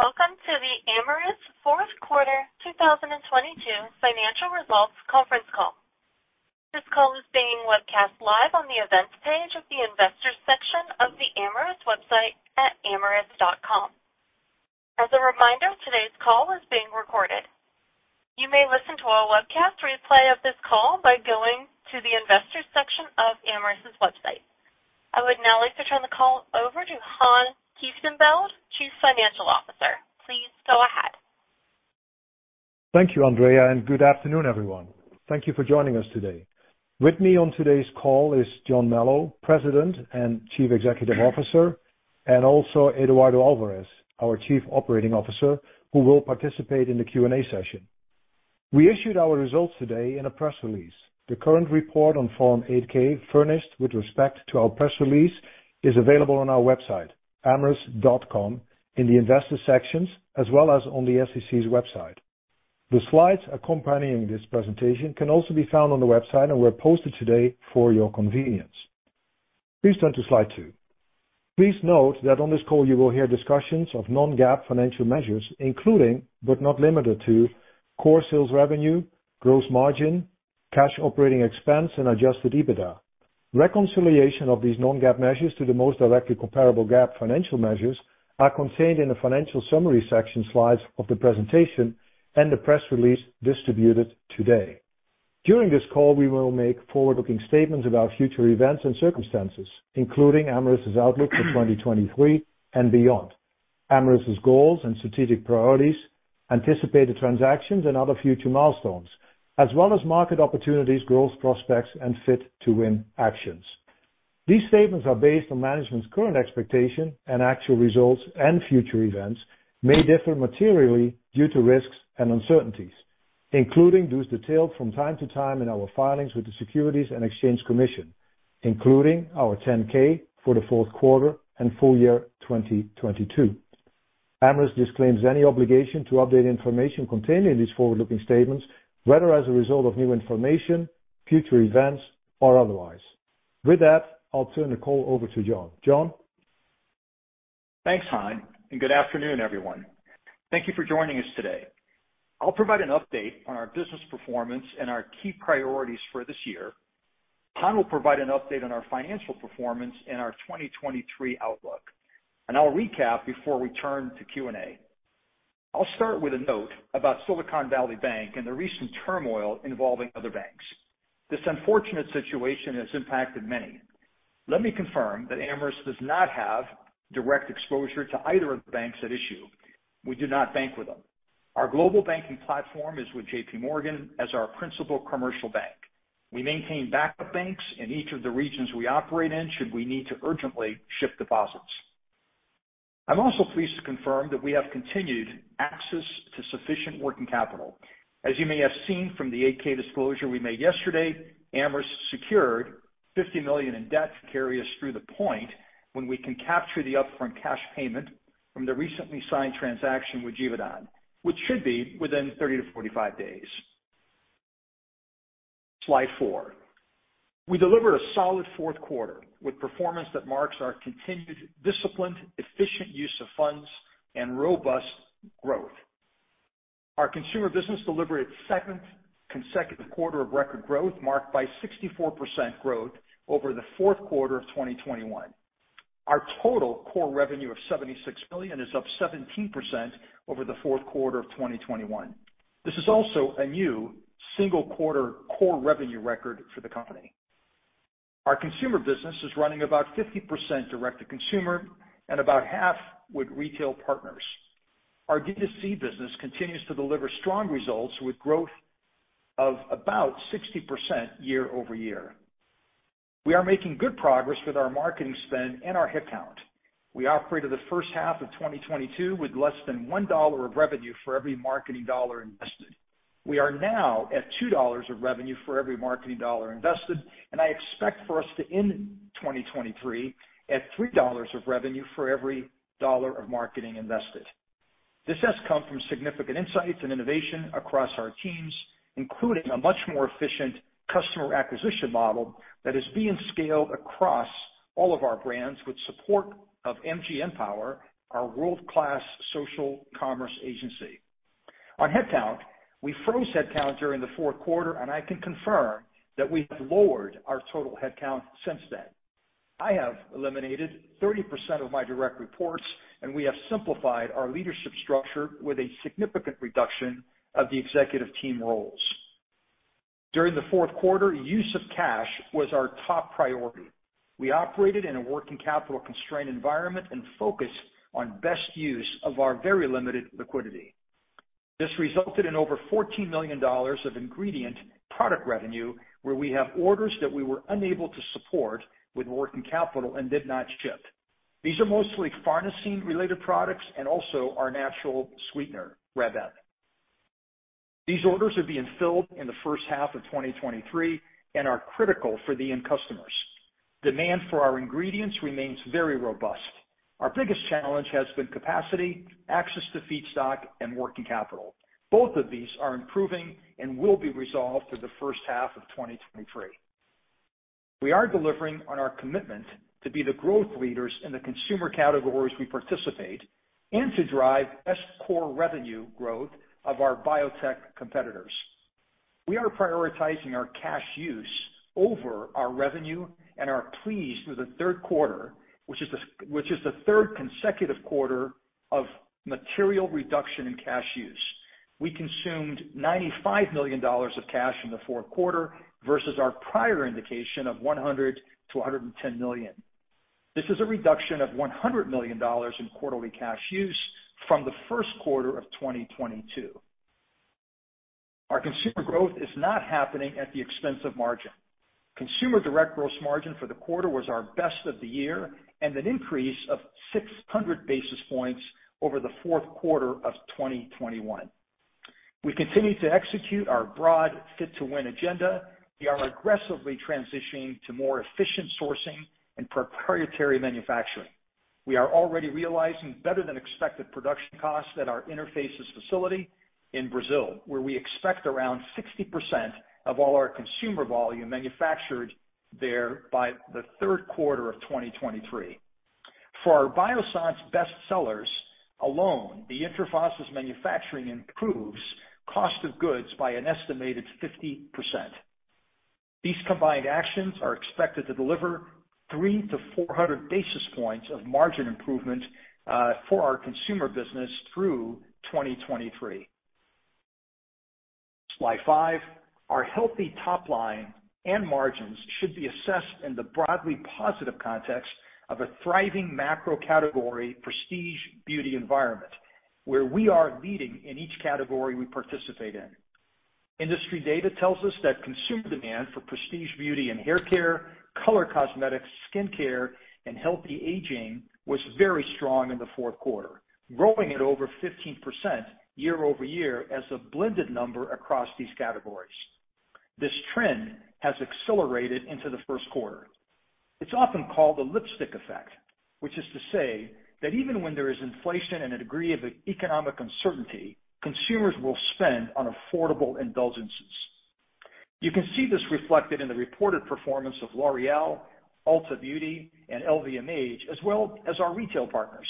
Welcome to the Amyris fourth quarter 2022 financial results conference call. This call is being webcast live on the Events page of the Investors section of the Amyris website at amyris.com. As a reminder, today's call is being recorded. You may listen to our webcast replay of this call by going to the Investors section of Amyris' website. I would now like to turn the call over to Han Kieftenbeld, Chief Financial Officer. Please go ahead. Thank you, Andrea, and good afternoon, everyone. Thank you for joining us today. With me on today's call is John Melo, President and Chief Executive Officer, and also Eduardo Alvarez, our Chief Operating Officer, who will participate in the Q&A session. We issued our results today in a press release. The current report on Form 8-K furnished with respect to our press release is available on our website, amyris.com, in the Investors sections as well as on the SEC's website. The slides accompanying this presentation can also be found on the website and were posted today for your convenience. Please turn to slide 2. Please note that on this call you will hear discussions of non-GAAP financial measures, including, but not limited to core sales revenue, gross margin, cash operating expense, and adjusted EBITDA. Reconciliation of these non-GAAP measures to the most directly comparable GAAP financial measures are contained in the financial summary section slides of the presentation and the press release distributed today. During this call, we will make forward-looking statements about future events and circumstances, including Amyris' outlook for 2023 and beyond, Amyris' goals and strategic priorities, anticipated transactions and other future milestones, as well as market opportunities, growth prospects and Fit to Win actions. These statements are based on management's current expectation and actual results, and future events may differ materially due to risks and uncertainties, including those detailed from time to time in our filings with the Securities and Exchange Commission, including our 10-K for the fourth quarter and full year 2022. Amyris disclaims any obligation to update information contained in these forward-looking statements, whether as a result of new information, future events, or otherwise. With that, I'll turn the call over to John. John? Thanks, Han. Good afternoon, everyone. Thank you for joining us today. I'll provide an update on our business performance and our key priorities for this year. Han will provide an update on our financial performance and our 2023 outlook, and I'll recap before we turn to Q&A. I'll start with a note about Silicon Valley Bank and the recent turmoil involving other banks. This unfortunate situation has impacted many. Let me confirm that Amyris does not have direct exposure to either of the banks at issue. We do not bank with them. Our global banking platform is with JPMorgan as our principal commercial bank. We maintain backup banks in each of the regions we operate in, should we need to urgently ship deposits. I'm also pleased to confirm that we have continued access to sufficient working capital. As you may have seen from the 8-K disclosure we made yesterday, Amyris secured $50 million in debt to carry us through the point when we can capture the upfront cash payment from the recently signed transaction with Givaudan, which should be within 30-45 days. Slide four. We delivered a solid fourth quarter with performance that marks our continued disciplined, efficient use of funds and robust growth. Our consumer business delivered its second consecutive quarter of record growth, marked by 64% growth over the fourth quarter of 2021. Our total core revenue of $76 million is up 17% over the fourth quarter of 2021. This is also a new single quarter core revenue record for the company. Our consumer business is running about 50% direct-to-consumer and about half with retail partners. Our D2C business continues to deliver strong results with growth of about 60% year-over-year. We are making good progress with our marketing spend and our headcount. We operated the first half of 2022 with less than $1 of revenue for every marketing dollar invested. We are now at $2 of revenue for every marketing dollar invested, and I expect for us to end 2023 at $3 of revenue for every dollar of marketing invested. This has come from significant insights and innovation across our teams, including a much more efficient customer acquisition model that is being scaled across all of our brands with support of MG Empower, our world-class social commerce agency. On headcount, we froze headcount during the fourth quarter, and I can confirm that we have lowered our total headcount since then. I have eliminated 30% of my direct reports, we have simplified our leadership structure with a significant reduction of the executive team roles. During the fourth quarter, use of cash was our top priority. We operated in a working capital constrained environment and focused on best use of our very limited liquidity. This resulted in over $14 million of ingredient product revenue, where we have orders that we were unable to support with working capital and did not ship. These are mostly farnesene-related products and also our natural sweetener, Reb M. These orders are being filled in the first half of 2023 and are critical for the end customers. Demand for our ingredients remains very robust. Our biggest challenge has been capacity, access to feedstock, and working capital. Both of these are improving and will be resolved for the first half of 2023. We are delivering on our commitment to be the growth leaders in the consumer categories we participate and to drive best core revenue growth of our biotech competitors. We are prioritizing our cash use over our revenue and are pleased with the third quarter, which is the third consecutive quarter of material reduction in cash use. We consumed $95 million of cash in the fourth quarter versus our prior indication of $100 million-$110 million. This is a reduction of $100 million in quarterly cash use from the first quarter of 2022. Our consumer growth is not happening at the expense of margin. Consumer direct gross margin for the quarter was our best of the year and an increase of 600 basis points over the fourth quarter of 2021. We continue to execute our broad Fit to Win agenda. We are aggressively transitioning to more efficient sourcing and proprietary manufacturing. We are already realizing better than expected production costs at our interfaces facility in Brazil, where we expect around 60% of all our consumer volume manufactured there by the third quarter of 2023. For our Bioscience best sellers alone, the interfaces manufacturing improves cost of goods by an estimated 50%. These combined actions are expected to deliver 300-400 basis points of margin improvement for our consumer business through 2023. Slide five. Our healthy top line and margins should be assessed in the broadly positive context of a thriving macro category prestige beauty environment where we are leading in each category we participate in. Industry data tells us that consumer demand for prestige, beauty and hair care, color cosmetics, skincare and healthy aging was very strong in the fourth quarter, growing at over 15% year-over-year as a blended number across these categories. This trend has accelerated into the first quarter. It's often called the Lipstick Effect, which is to say that even when there is inflation and a degree of economic uncertainty, consumers will spend on affordable indulgences. You can see this reflected in the reported performance of L'Oréal, Ulta Beauty and LVMH as well as our retail partners.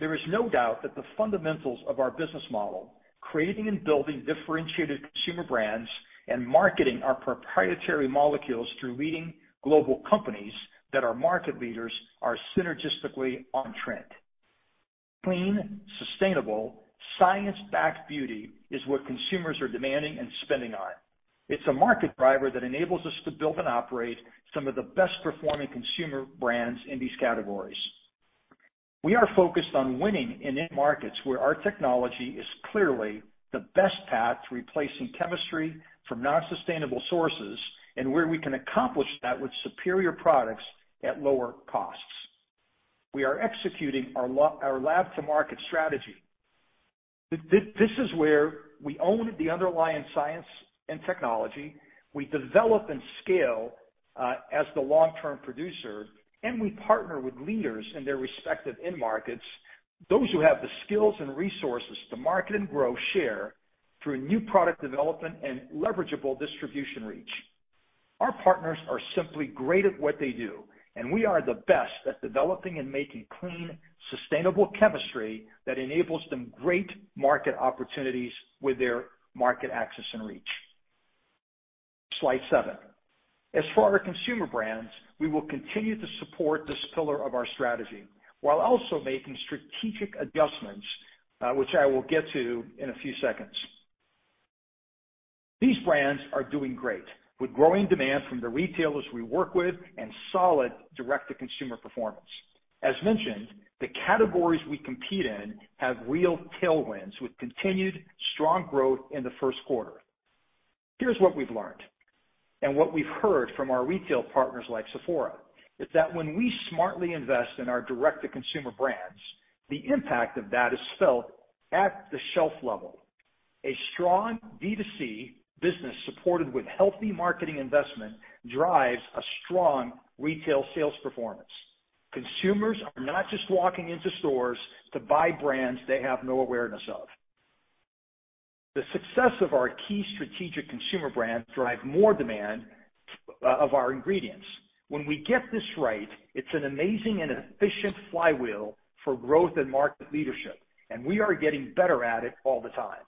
There is no doubt that the fundamentals of our business model, creating and building differentiated consumer brands, and marketing our proprietary molecules through leading global companies that are market leaders are synergistically on trend. Clean, sustainable, science-backed beauty is what consumers are demanding and spending on. It's a market driver that enables us to build and operate some of the best performing consumer brands in these categories. We are focused on winning in end markets where our technology is clearly the best path to replacing chemistry from non-sustainable sources and where we can accomplish that with superior products at lower costs. We are executing our Lab-to-Market strategy. This is where we own the underlying science and technology. We develop and scale, as the long-term producer, and we partner with leaders in their respective end markets, those who have the skills and resources to market and grow share through new product development and leverageable distribution reach. Our partners are simply great at what they do, and we are the best at developing and making clean, sustainable chemistry that enables them great market opportunities with their market access and reach. Slide seven. As for our consumer brands, we will continue to support this pillar of our strategy while also making strategic adjustments, which I will get to in a few seconds. These brands are doing great with growing demand from the retailers we work with and solid direct-to-consumer performance. As mentioned, the categories we compete in have real tailwinds with continued strong growth in the first quarter. Here's what we've learned and what we've heard from our retail partners like Sephora, is that when we smartly invest in our direct to consumer brands, the impact of that is felt at the shelf level. A strong B2C business, supported with healthy marketing investment, drives a strong retail sales performance. Consumers are not just walking into stores to buy brands they have no awareness of. The success of our key strategic consumer brands drive more demand of our ingredients. When we get this right, it's an amazing and efficient flywheel for growth and market leadership, and we are getting better at it all the time.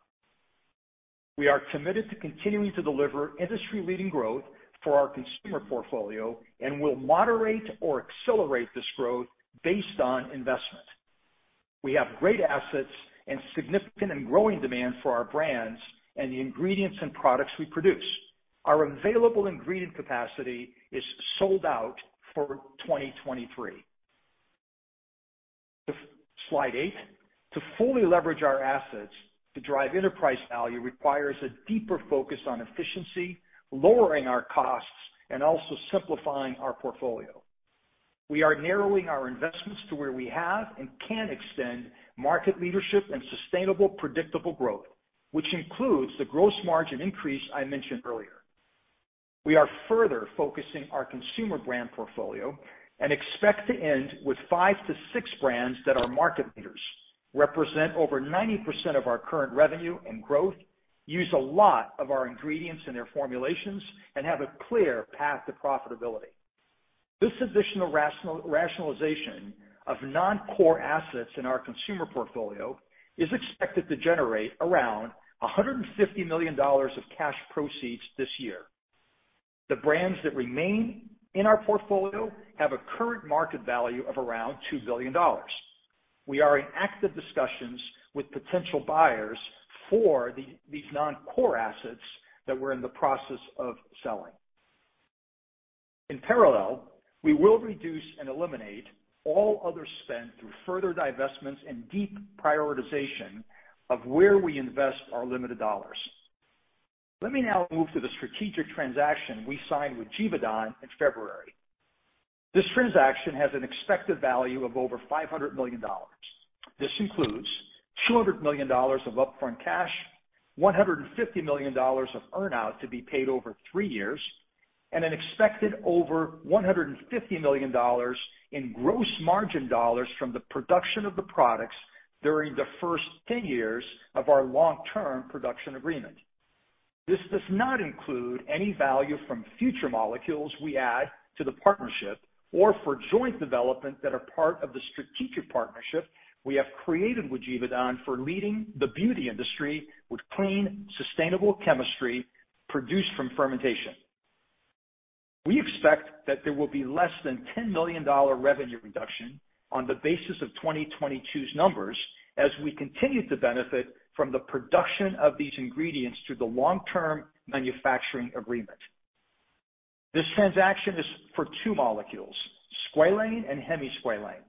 We are committed to continuing to deliver industry leading growth for our consumer portfolio and will moderate or accelerate this growth based on investment. We have great assets and significant and growing demand for our brands and the ingredients and products we produce. Our available ingredient capacity is sold out for 2023. Slide eight. To fully leverage our assets to drive enterprise value requires a deeper focus on efficiency, lowering our costs, and also simplifying our portfolio. We are narrowing our investments to where we have and can extend market leadership and sustainable, predictable growth, which includes the gross margin increase I mentioned earlier. We are further focusing our consumer brand portfolio and expect to end with five to six brands that are market leaders. Represent over 90% of our current revenue and growth, use a lot of our ingredients in their formulations and have a clear path to profitability. This additional rationalization of non-core assets in our consumer portfolio is expected to generate around $150 million of cash proceeds this year. The brands that remain in our portfolio have a current market value of around $2 billion. We are in active discussions with potential buyers for these non-core assets that we're in the process of selling. In parallel, we will reduce and eliminate all other spend through further divestments and deep prioritization of where we invest our limited dollars. Let me now move to the strategic transaction we signed with Givaudan in February. This transaction has an expected value of over $500 million. This includes $200 million of upfront cash, $150 million of earn-out to be paid over three years, and an expected over $150 million in gross margin dollars from the production of the products during the first 10 years of our long-term production agreement. This does not include any value from future molecules we add to the partnership or for joint development that are part of the strategic partnership we have created with Givaudan for leading the beauty industry with clean, sustainable chemistry produced from fermentation. We expect that there will be less than $10 million revenue reduction on the basis of 2022's numbers as we continue to benefit from the production of these ingredients through the long-term manufacturing agreement. This transaction is for two molecules, squalane and hemisqualane,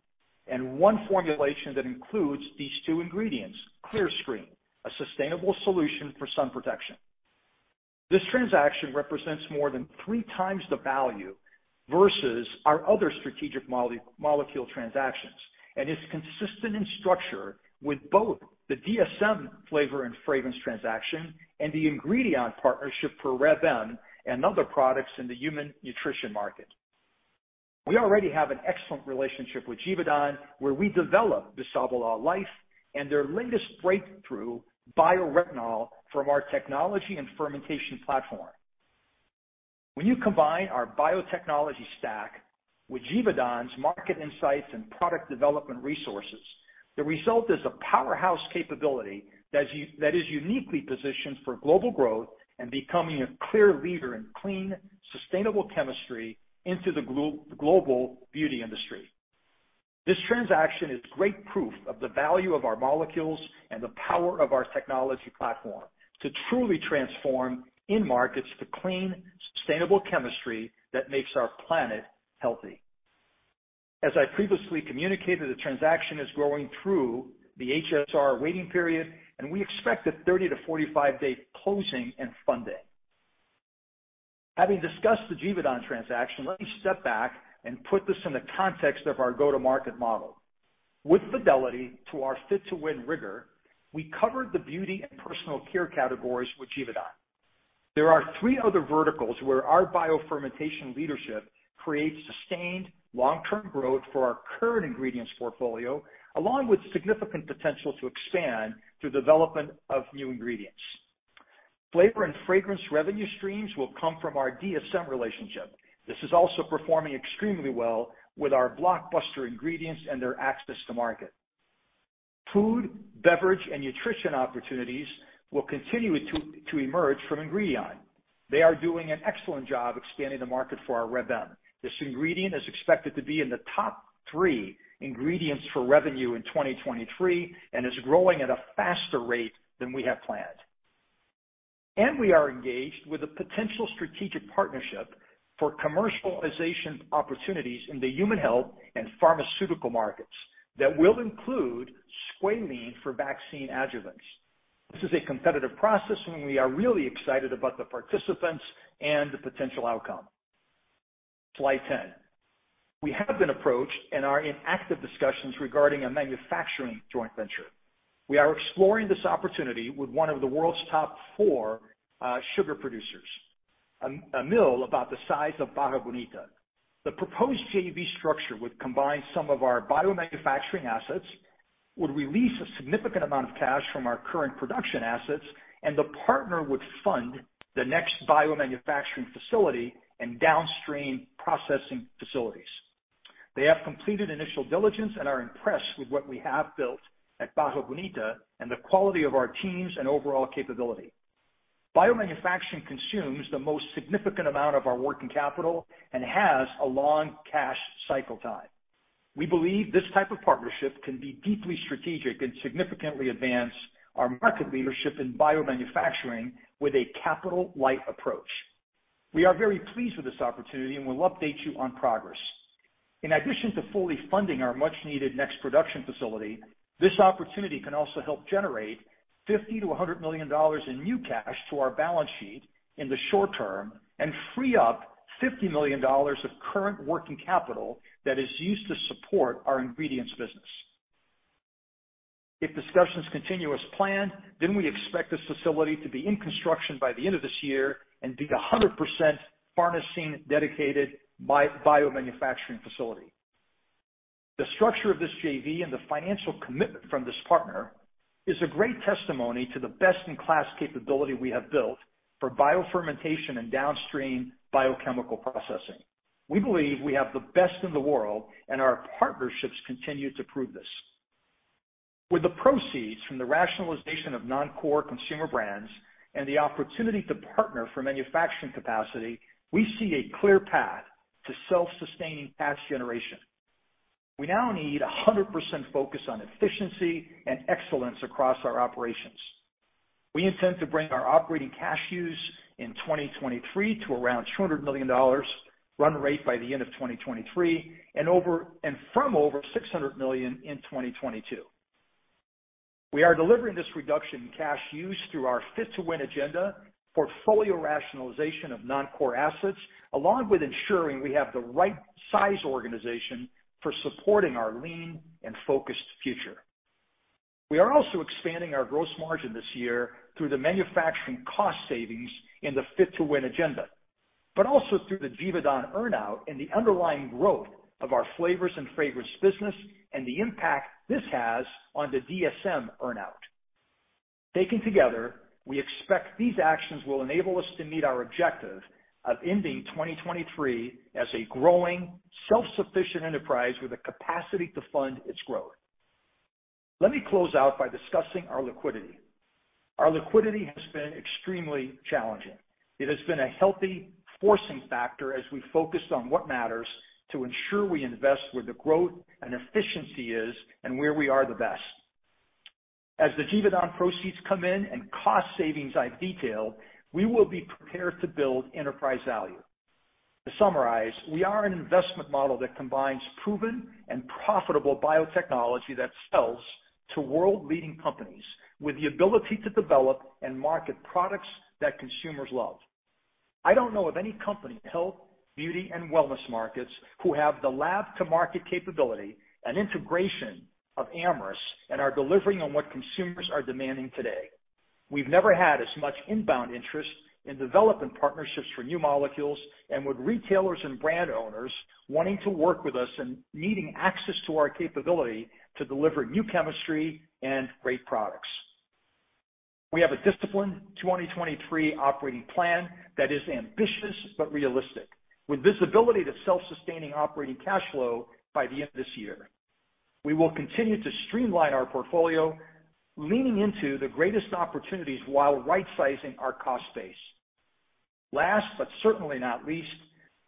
and one formulation that includes these two ingredients, CleanScreen, a sustainable solution for sun protection. This transaction represents more than 3x the value versus our other strategic molecule transactions and is consistent in structure with both the DSM flavor and fragrance transaction and the Ingredion partnership for Reb M and other products in the human nutrition market. We already have an excellent relationship with Givaudan, where we developed BisaboLife and their latest breakthrough, Bio-Retinol, from our technology and fermentation platform. When you combine our biotechnology stack with Givaudan's market insights and product development resources, the result is a powerhouse capability that is uniquely positioned for global growth and becoming a clear leader in clean, sustainable chemistry into the global beauty industry. This transaction is great proof of the value of our molecules and the power of our technology platform to truly transform end markets to clean, sustainable chemistry that makes our planet healthy. As I previously communicated, the transaction is going through the HSR waiting period, and we expect a 30-45 day closing and funding. Having discussed the Givaudan transaction, let me step back and put this in the context of our go-to-market model. With fidelity to our Fit to Win rigor, we covered the beauty and personal care categories with Givaudan. There are three other verticals where our biofermentation leadership creates sustained long-term growth for our current ingredients portfolio, along with significant potential to expand through development of new ingredients. Flavor and fragrance revenue streams will come from our DSM relationship. This is also performing extremely well with our blockbuster ingredients and their access to market. Food, beverage, and nutrition opportunities will continue to emerge from Ingredion. They are doing an excellent job expanding the market for our Reb M. This ingredient is expected to be in the top three ingredients for revenue in 2023 and is growing at a faster rate than we have planned. We are engaged with a potential strategic partnership for commercialization opportunities in the human health and pharmaceutical markets that will include squalene for vaccine adjuvants. This is a competitive process. We are really excited about the participants and the potential outcome. Slide 10. We have been approached and are in active discussions regarding a manufacturing joint venture. We are exploring this opportunity with one of the world's top four sugar producers, a mill about the size of Barra Bonita. The proposed JV structure would combine some of our biomanufacturing assets, would release a significant amount of cash from our current production assets. The partner would fund the next biomanufacturing facility and downstream processing facilities. They have completed initial diligence and are impressed with what we have built at Barra Bonita and the quality of our teams and overall capability. Biomanufacturing consumes the most significant amount of our working capital and has a long cash cycle time. We believe this type of partnership can be deeply strategic and significantly advance our market leadership in biomanufacturing with a capital-light approach. We are very pleased with this opportunity and will update you on progress. In addition to fully funding our much-needed next production facility, this opportunity can also help generate $50 million-$100 million in new cash to our balance sheet in the short term and free up $50 million of current working capital that is used to support our ingredients business. If discussions continue as planned, we expect this facility to be in construction by the end of this year and be a 100% farnesene dedicated biomanufacturing facility. The structure of this JV and the financial commitment from this partner is a great testimony to the best-in-class capability we have built for bio fermentation and downstream biochemical processing. We believe we have the best in the world, and our partnerships continue to prove this. With the proceeds from the rationalization of non-core consumer brands and the opportunity to partner for manufacturing capacity, we see a clear path to self-sustaining cash generation. We now need 100% focus on efficiency and excellence across our operations. We intend to bring our operating cash use in 2023 to around $200 million run rate by the end of 2023 and over, and from over $600 million in 2022. We are delivering this reduction in cash use through our Fit to Win agenda, portfolio rationalization of non-core assets, along with ensuring we have the right size organization for supporting our lean and focused future. We are also expanding our gross margin this year through the manufacturing cost savings in the Fit to Win agenda, but also through the Givaudan earn-out and the underlying growth of our Flavors & Fragrances business and the impact this has on the DSM earn-out. Taken together, we expect these actions will enable us to meet our objective of ending 2023 as a growing, self-sufficient enterprise with the capacity to fund its growth. Let me close out by discussing our liquidity. Our liquidity has been extremely challenging. It has been a healthy forcing factor as we focused on what matters to ensure we invest where the growth and efficiency is and where we are the best. As the Givaudan proceeds come in and cost savings I detailed, we will be prepared to build enterprise value. To summarize, we are an investment model that combines proven and profitable biotechnology that sells to world-leading companies with the ability to develop and market products that consumers love. I don't know of any company, health, beauty, and wellness markets who have the Lab-to-Market capability and integration of Amyris and are delivering on what consumers are demanding today. We've never had as much inbound interest in development partnerships for new molecules and with retailers and brand owners wanting to work with us and needing access to our capability to deliver new chemistry and great products. We have a disciplined 2023 operating plan that is ambitious but realistic, with visibility to self-sustaining operating cash flow by the end of this year. We will continue to streamline our portfolio, leaning into the greatest opportunities while right-sizing our cost base. Last, but certainly not least,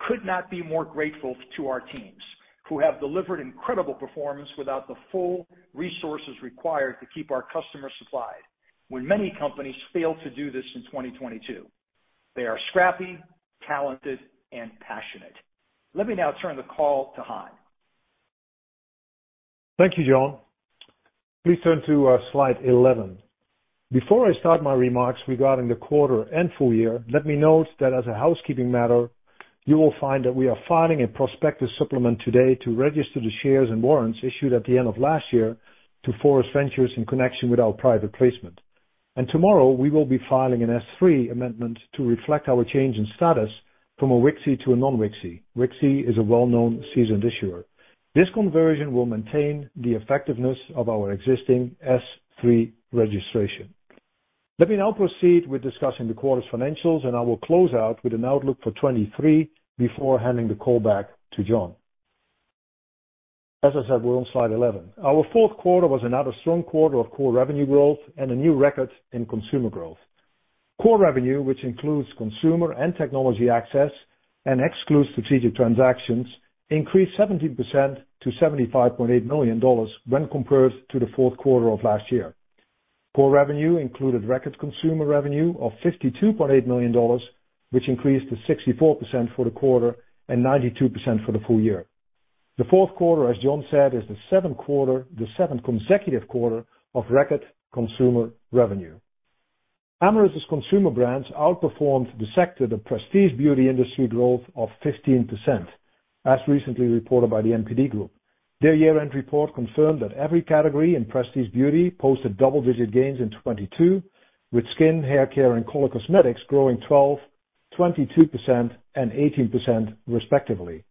could not be more grateful to our teams who have delivered incredible performance without the full resources required to keep our customers supplied when many companies failed to do this in 2022. They are scrappy, talented, and passionate. Let me now turn the call to Han. Thank you, John. Please turn to slide 11. Before I start my remarks regarding the quarter and full year, let me note that as a housekeeping matter, you will find that we are filing a prospectus supplement today to register the shares and warrants issued at the end of last year to Foris Ventures in connection with our private placement. Tomorrow, we will be filing an S-3 amendment to reflect our change in status from a WKSI to a non-WKSI. WKSI is a well-known seasoned issuer. This conversion will maintain the effectiveness of our existing S-3 registration. Let me now proceed with discussing the quarter's financials, and I will close out with an outlook for 23 before handing the call back to John. As I said, we're on slide 11. Our fourth quarter was another strong quarter of Core Revenue growth and a new record in consumer growth. Core revenue, which includes consumer and technology access and excludes strategic transactions, increased 17% to $75.8 million when compared to the fourth quarter of last year. Core revenue included record consumer revenue of $52.8 million, which increased to 64% for the quarter and 92% for the full year. The fourth quarter, as John said, is the seventh consecutive quarter of record consumer revenue. Amyris' consumer brands outperformed the sector, the prestige beauty industry growth of 15%, as recently reported by the NPD Group. Their year-end report confirmed that every category in prestige beauty posted double-digit gains in 2022, with skin, hair care, and color cosmetics growing 12%, 22%, and 18% respectively.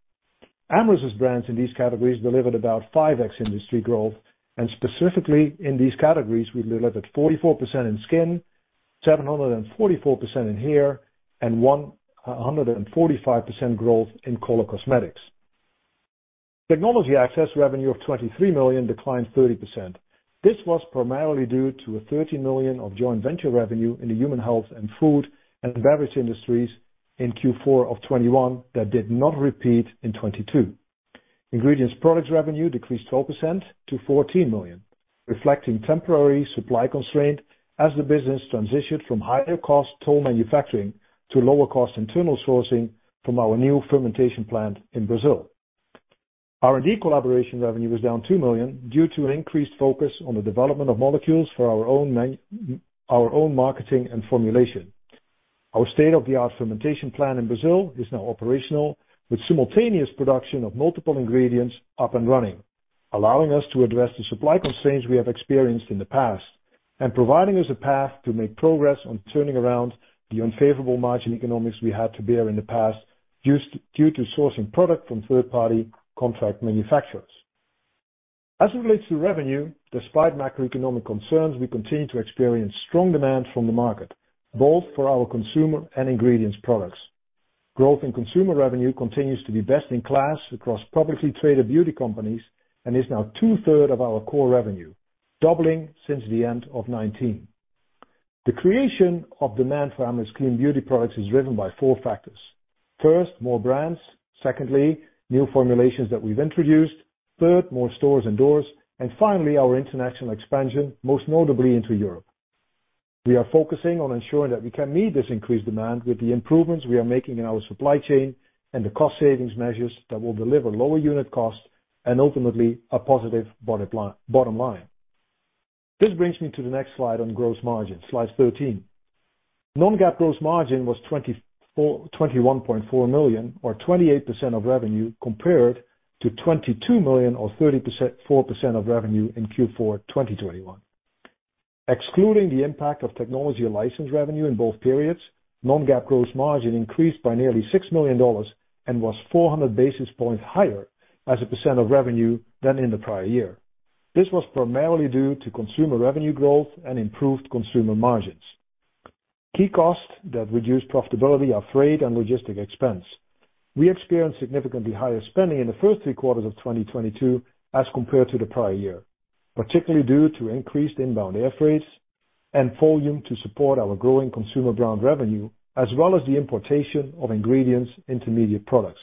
Amyris' brands in these categories delivered about 5x industry growth. Specifically in these categories, we delivered 44% in skin, 744% in hair, and 145% growth in color cosmetics. Technology access revenue of $23 million declined 30%. This was primarily due to a $30 million of joint venture revenue in the human health and food and beverage industries in Q4 of 2021 that did not repeat in 2022. Ingredients products revenue decreased 12% to $14 million, reflecting temporary supply constraint as the business transitioned from higher cost toll manufacturing to lower cost internal sourcing from our new fermentation plant in Brazil. R&D collaboration revenue was down $2 million due to an increased focus on the development of molecules for our own marketing and formulation. Our state-of-the-art fermentation plant in Brazil is now operational, with simultaneous production of multiple ingredients up and running, allowing us to address the supply constraints we have experienced in the past. Providing us a path to make progress on turning around the unfavorable margin economics we had to bear in the past due to sourcing product from third party contract manufacturers. As it relates to revenue, despite macroeconomic concerns, we continue to experience strong demand from the market, both for our consumer and ingredients products. Growth in consumer revenue continues to be best in class across publicly traded beauty companies, and is now 2/3 of our core revenue, doubling since the end of 2019. The creation of demand for Amyris' clean beauty products is driven by four factors. First, more brands. Secondly, new formulations that we've introduced. Third, more stores and doors. Finally, our international expansion, most notably into Europe. We are focusing on ensuring that we can meet this increased demand with the improvements we are making in our supply chain and the cost savings measures that will deliver lower unit costs and ultimately a positive bottom line. This brings me to the next slide on gross margin, slide 13. Non-GAAP gross margin was $21.4 million or 28% of revenue, compared to $22 million or 4% of revenue in Q4 2021. Excluding the impact of technology license revenue in both periods, Non-GAAP gross margin increased by nearly $6 million and was 400 basis points higher as a percent of revenue than in the prior year. This was primarily due to consumer revenue growth and improved consumer margins. Key costs that reduce profitability are freight and logistic expense. We experienced significantly higher spending in the first three quarters of 2022 as compared to the prior year, particularly due to increased inbound air freight and volume to support our growing consumer brand revenue, as well as the importation of ingredients intermediate products.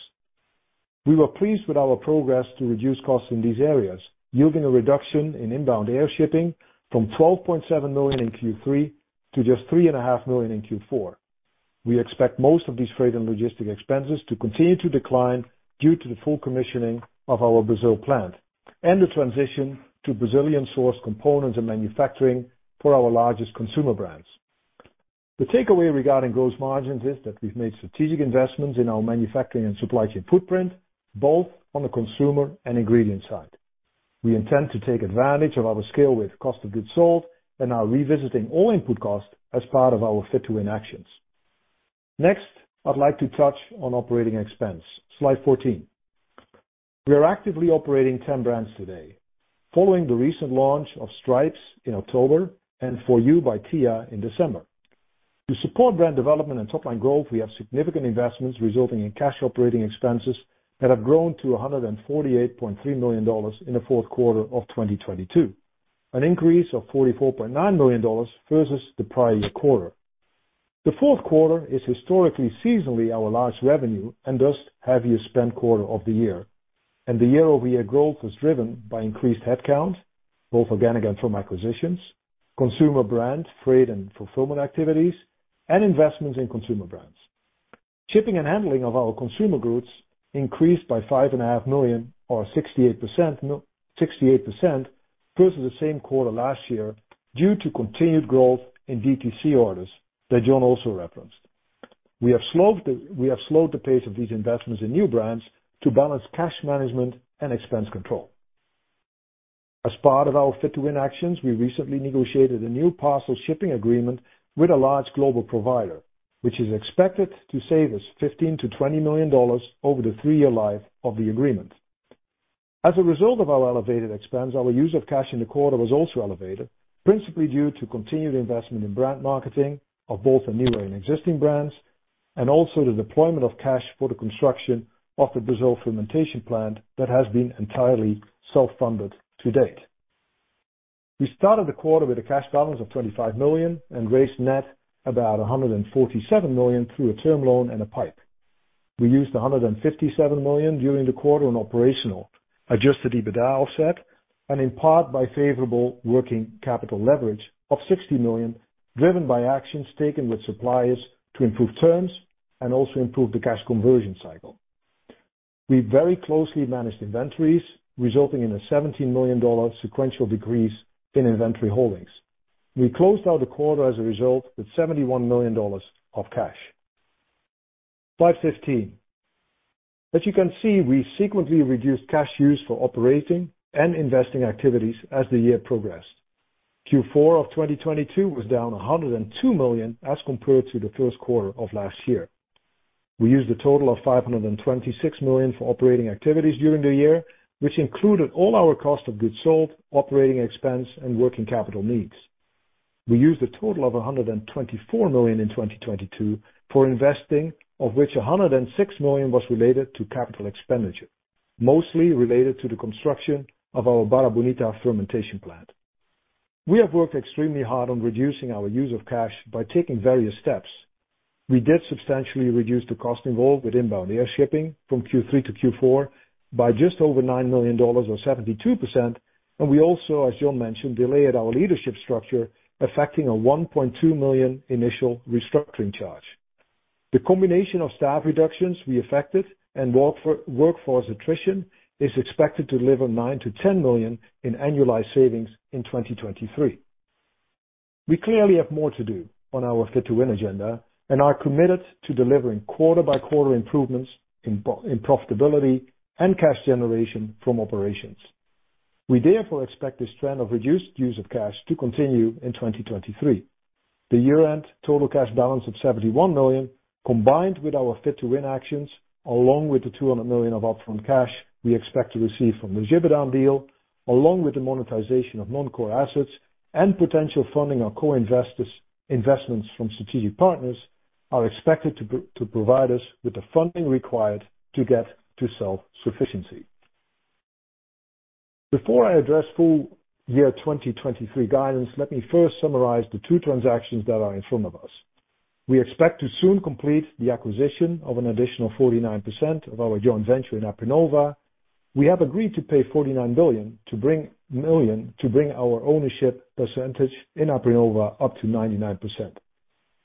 We were pleased with our progress to reduce costs in these areas, yielding a reduction in inbound air shipping from $12.7 million in Q3 to just $3.5 million in Q4. We expect most of these freight and logistic expenses to continue to decline due to the full commissioning of our Brazil plant and the transition to Brazilian source components and manufacturing for our largest consumer brands. The takeaway regarding gross margins is that we've made strategic investments in our manufacturing and supply chain footprint, both on the consumer and ingredient side. We intend to take advantage of our scale with cost of goods sold and are revisiting all input costs as part of our Fit to Win actions. Next, I'd like to touch on operating expense. Slide 14. We are actively operating 10 brands today, following the recent launch of Stripes in October, and 4U by Tia in December. To support brand development and top line growth, we have significant investments resulting in cash operating expenses that have grown to $148.3 million in the fourth quarter of 2022, an increase of $44.9 million versus the prior year quarter. The fourth quarter is historically seasonally our largest revenue and thus heaviest spend quarter of the year, and the year-over-year growth was driven by increased headcount, both organic and from acquisitions, consumer brand freight and fulfillment activities, and investments in consumer brands. Shipping and handling of our consumer goods increased by $5.5 million or 68% versus the same quarter last year due to continued growth in DTC orders that John also referenced. We have slowed the pace of these investments in new brands to balance cash management and expense control. As part of our Fit to Win actions, we recently negotiated a new parcel shipping agreement with a large global provider, which is expected to save us $15 million-$20 million over the three-year life of the agreement. As a result of our elevated expense, our use of cash in the quarter was also elevated, principally due to continued investment in brand marketing of both the newer and existing brands. Also the deployment of cash for the construction of the Brazil fermentation plant that has been entirely self-funded to date. We started the quarter with a cash balance of $25 million and raised net about $147 million through a term loan and a PIPE. We used $157 million during the quarter on operational, adjusted EBITDA offset, and in part by favorable working capital leverage of $60 million, driven by actions taken with suppliers to improve terms and also improve the cash conversion cycle. We very closely managed inventories, resulting in a $17 million sequential decrease in inventory holdings. We closed out the quarter as a result with $71 million of cash. Slide 15. As you can see, we sequentially reduced cash use for operating and investing activities as the year progressed. Q4 of 2022 was down $102 million as compared to the first quarter of last year. We used a total of $526 million for operating activities during the year, which included all our cost of goods sold, operating expense and working capital needs. We used a total of $124 million in 2022 for investing, of which $106 million was related to capital expenditure, mostly related to the construction of our Barra Bonita fermentation plant. We have worked extremely hard on reducing our use of cash by taking various steps. We did substantially reduce the cost involved with inbound air shipping from Q3 to Q4 by just over $9 million or 72%. We also, as John mentioned, delayed our leadership structure, affecting a $1.2 million initial restructuring charge. The combination of staff reductions we affected and workforce attrition is expected to deliver $9 million-$10 million in annualized savings in 2023. We clearly have more to do on our Fit to Win agenda and are committed to delivering quarter-by-quarter improvements in profitability and cash generation from operations. We therefore expect this trend of reduced use of cash to continue in 2023. The year-end total cash balance of $71 million, combined with our Fit to Win actions, along with the $200 million of upfront cash we expect to receive from the Givaudan deal, along with the monetization of non-core assets and potential funding our core investments from strategic partners, are expected to provide us with the funding required to get to self-sufficiency. Before I address full year 2023 guidance, let me first summarize the two transactions that are in front of us. We expect to soon complete the acquisition of an additional 49% of our joint venture in Aprinnova. We have agreed to pay $49 million to bring our ownership percentage in Aprinnova up to 99%.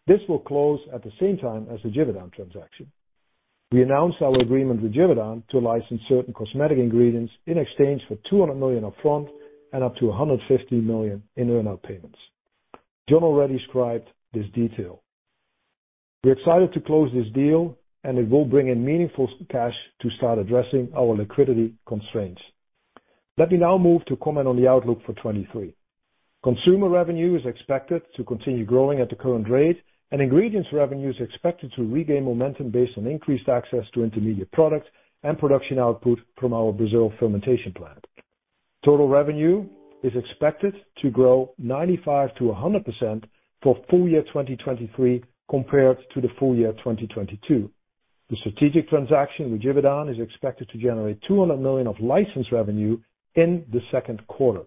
This will close at the same time as the Givaudan transaction. We announced our agreement with Givaudan to license certain cosmetic ingredients in exchange for $200 million upfront and up to $150 million in earn-out payments. John already described this detail. We're excited to close this deal, and it will bring in meaningful cash to start addressing our liquidity constraints. Let me now move to comment on the outlook for 2023. Consumer revenue is expected to continue growing at the current rate, and ingredients revenue is expected to regain momentum based on increased access to intermediate products and production output from our Brazil fermentation plant. Total revenue is expected to grow 95%-100% for full year 2023 compared to the full year 2022. The strategic transaction with Givaudan is expected to generate $200 million of licensed revenue in the second quarter.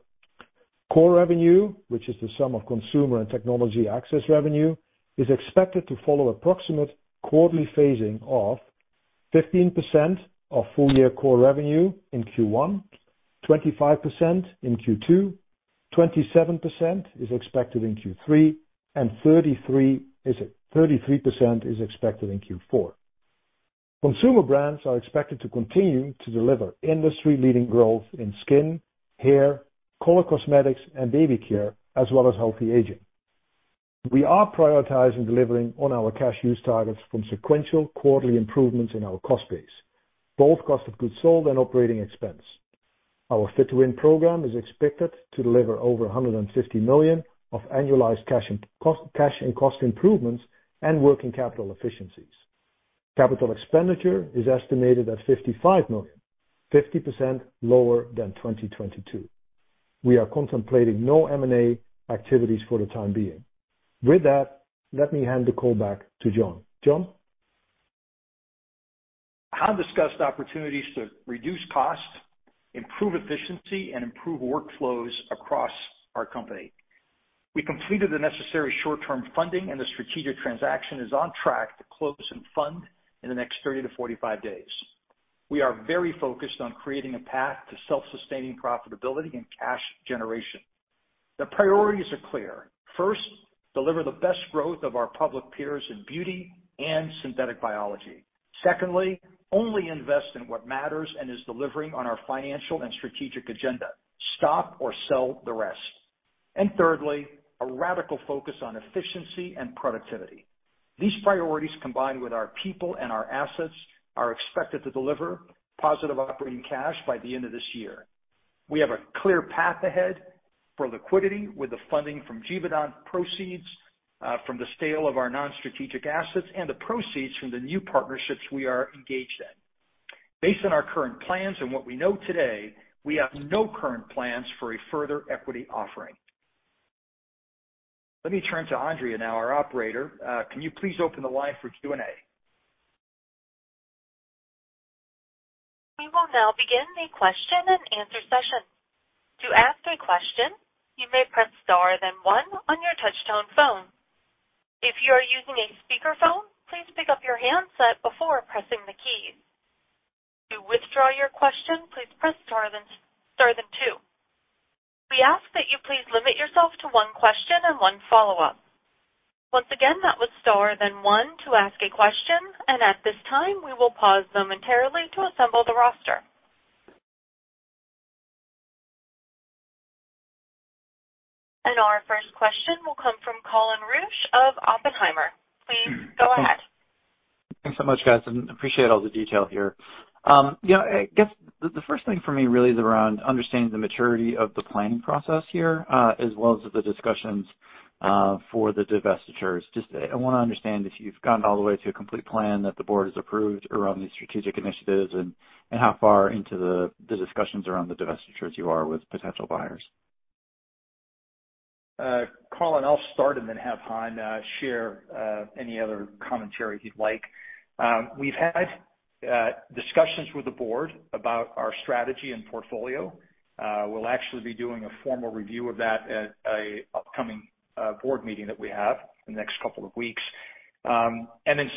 Core revenue, which is the sum of consumer and technology access revenue, is expected to follow approximate quarterly phasing of 15% of full-year core revenue in Q1, 25% in Q2, 27% is expected in Q3, and 33% is expected in Q4. Consumer brands are expected to continue to deliver industry-leading growth in skin, hair, color cosmetics, and baby care, as well as healthy aging. We are prioritizing delivering on our cash use targets from sequential quarterly improvements in our cost base, both cost of goods sold and operating expense. Our Fit to Win program is expected to deliver over $150 million of annualized cash and cost improvements and working capital efficiencies. Capital expenditure is estimated at $55 million, 50% lower than 2022. We are contemplating no M&A activities for the time being. With that, let me hand the call back to John. John? Han discussed opportunities to reduce cost, improve efficiency, and improve workflows across our company. We completed the necessary short-term funding, and the strategic transaction is on track to close and fund in the next 30-45 days. We are very focused on creating a path to self-sustaining profitability and cash generation. The priorities are clear. First, deliver the best growth of our public peers in beauty and synthetic biology. Secondly, only invest in what matters and is delivering on our financial and strategic agenda. Stop or sell the rest. Thirdly, a radical focus on efficiency and productivity. These priorities, combined with our people and our assets, are expected to deliver positive operating cash by the end of this year. We have a clear path ahead for liquidity with the funding from Givaudan proceeds, from the sale of our non-strategic assets and the proceeds from the new partnerships we are engaged in. Based on our current plans and what we know today, we have no current plans for a further equity offering. Let me turn to Andrea now, our operator. Can you please open the line for Q&A? We will now begin the question and answer session. To ask a question, you may press star then one on your touch tone phone. If you are using a speakerphone, please pick up your handset before pressing the keys. To withdraw your question, please press star then two. We ask that you please limit yourself to one question and one follow-up. Once again, that was star then one to ask a question, at this time, we will pause momentarily to assemble the roster. Our first question will come from Colin Rusch of Oppenheimer. Please go ahead. Thanks so much, guys. Appreciate all the detail here. The first thing for me really is around understanding the maturity of the planning process here, as well as the discussions for the divestitures. Just, I wanna understand if you've gotten all the way to a complete plan that the board has approved around these strategic initiatives and how far into the discussions around the divestitures you are with potential buyers. Colin, I'll start and then have Han share any other commentary he'd like. We've had discussions with the board about our strategy and portfolio. We'll actually be doing a formal review of that at a upcoming board meeting that we have in the next couple of weeks.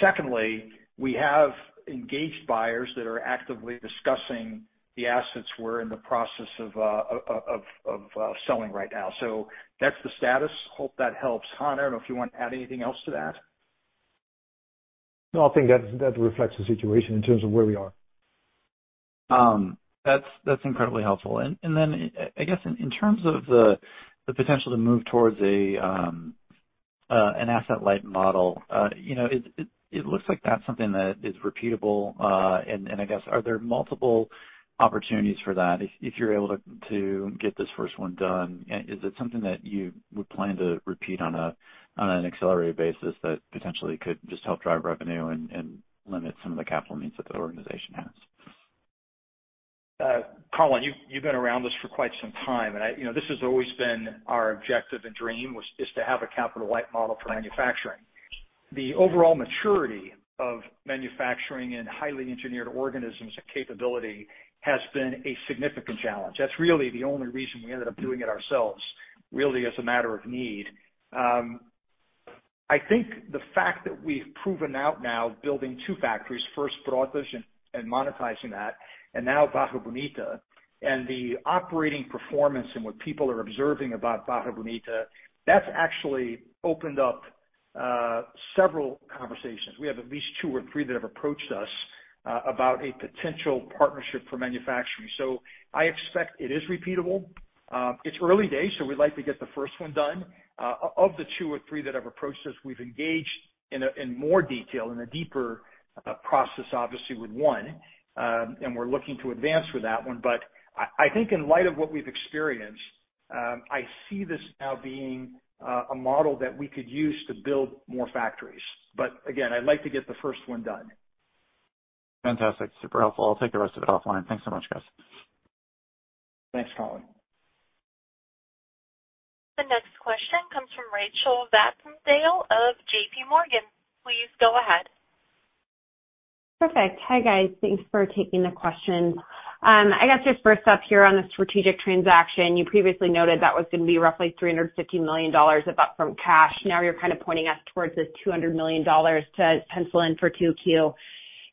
Secondly, we have engaged buyers that are actively discussing the assets we're in the process of selling right now. That's the status. Hope that helps. Han, I don't know if you want to add anything else to that? No, I think that reflects the situation in terms of where we are. That's incredibly helpful. Then I guess in terms of the potential to move towards an asset-light model, you know, it looks like that's something that is repeatable. I guess are there multiple opportunities for that if you're able to get this first one done, and is it something that you would plan to repeat on an accelerated basis that potentially could just help drive revenue and limit some of the capital needs that the organization has? Colin, you've been around us for quite some time. You know, this has always been our objective and dream, was, is to have a capital-light model for manufacturing. The overall maturity of manufacturing and highly engineered organisms and capability has been a significant challenge. That's really the only reason we ended up doing it ourselves, really as a matter of need. I think the fact that we've proven out now building two factories, first Brotas and monetizing that, and now Barra Bonita, and the operating performance and what people are observing about Barra Bonita, that's actually opened up, several conversations. We have at least two or three that have approached us, about a potential partnership for manufacturing. I expect it is repeatable. It's early days, so we'd like to get the first one done. Of the two or three that have approached us, we've engaged in a, in more detail in a deeper process, obviously, with one, and we're looking to advance with that one. I think in light of what we've experienced, I see this now being a model that we could use to build more factories. Again, I'd like to get the first one done. Fantastic. Super helpful. I'll take the rest of it offline. Thanks so much, guys. Thanks, Colin. The next question comes from Rachel Vatnsdal of JPMorgan. Please go ahead. Perfect. Hi, guys. Thanks for taking the question. I guess just first up here on the strategic transaction, you previously noted that was gonna be roughly $350 million of upfront cash. Now you're kind of pointing us towards this $200 million to pencil in for 2Q.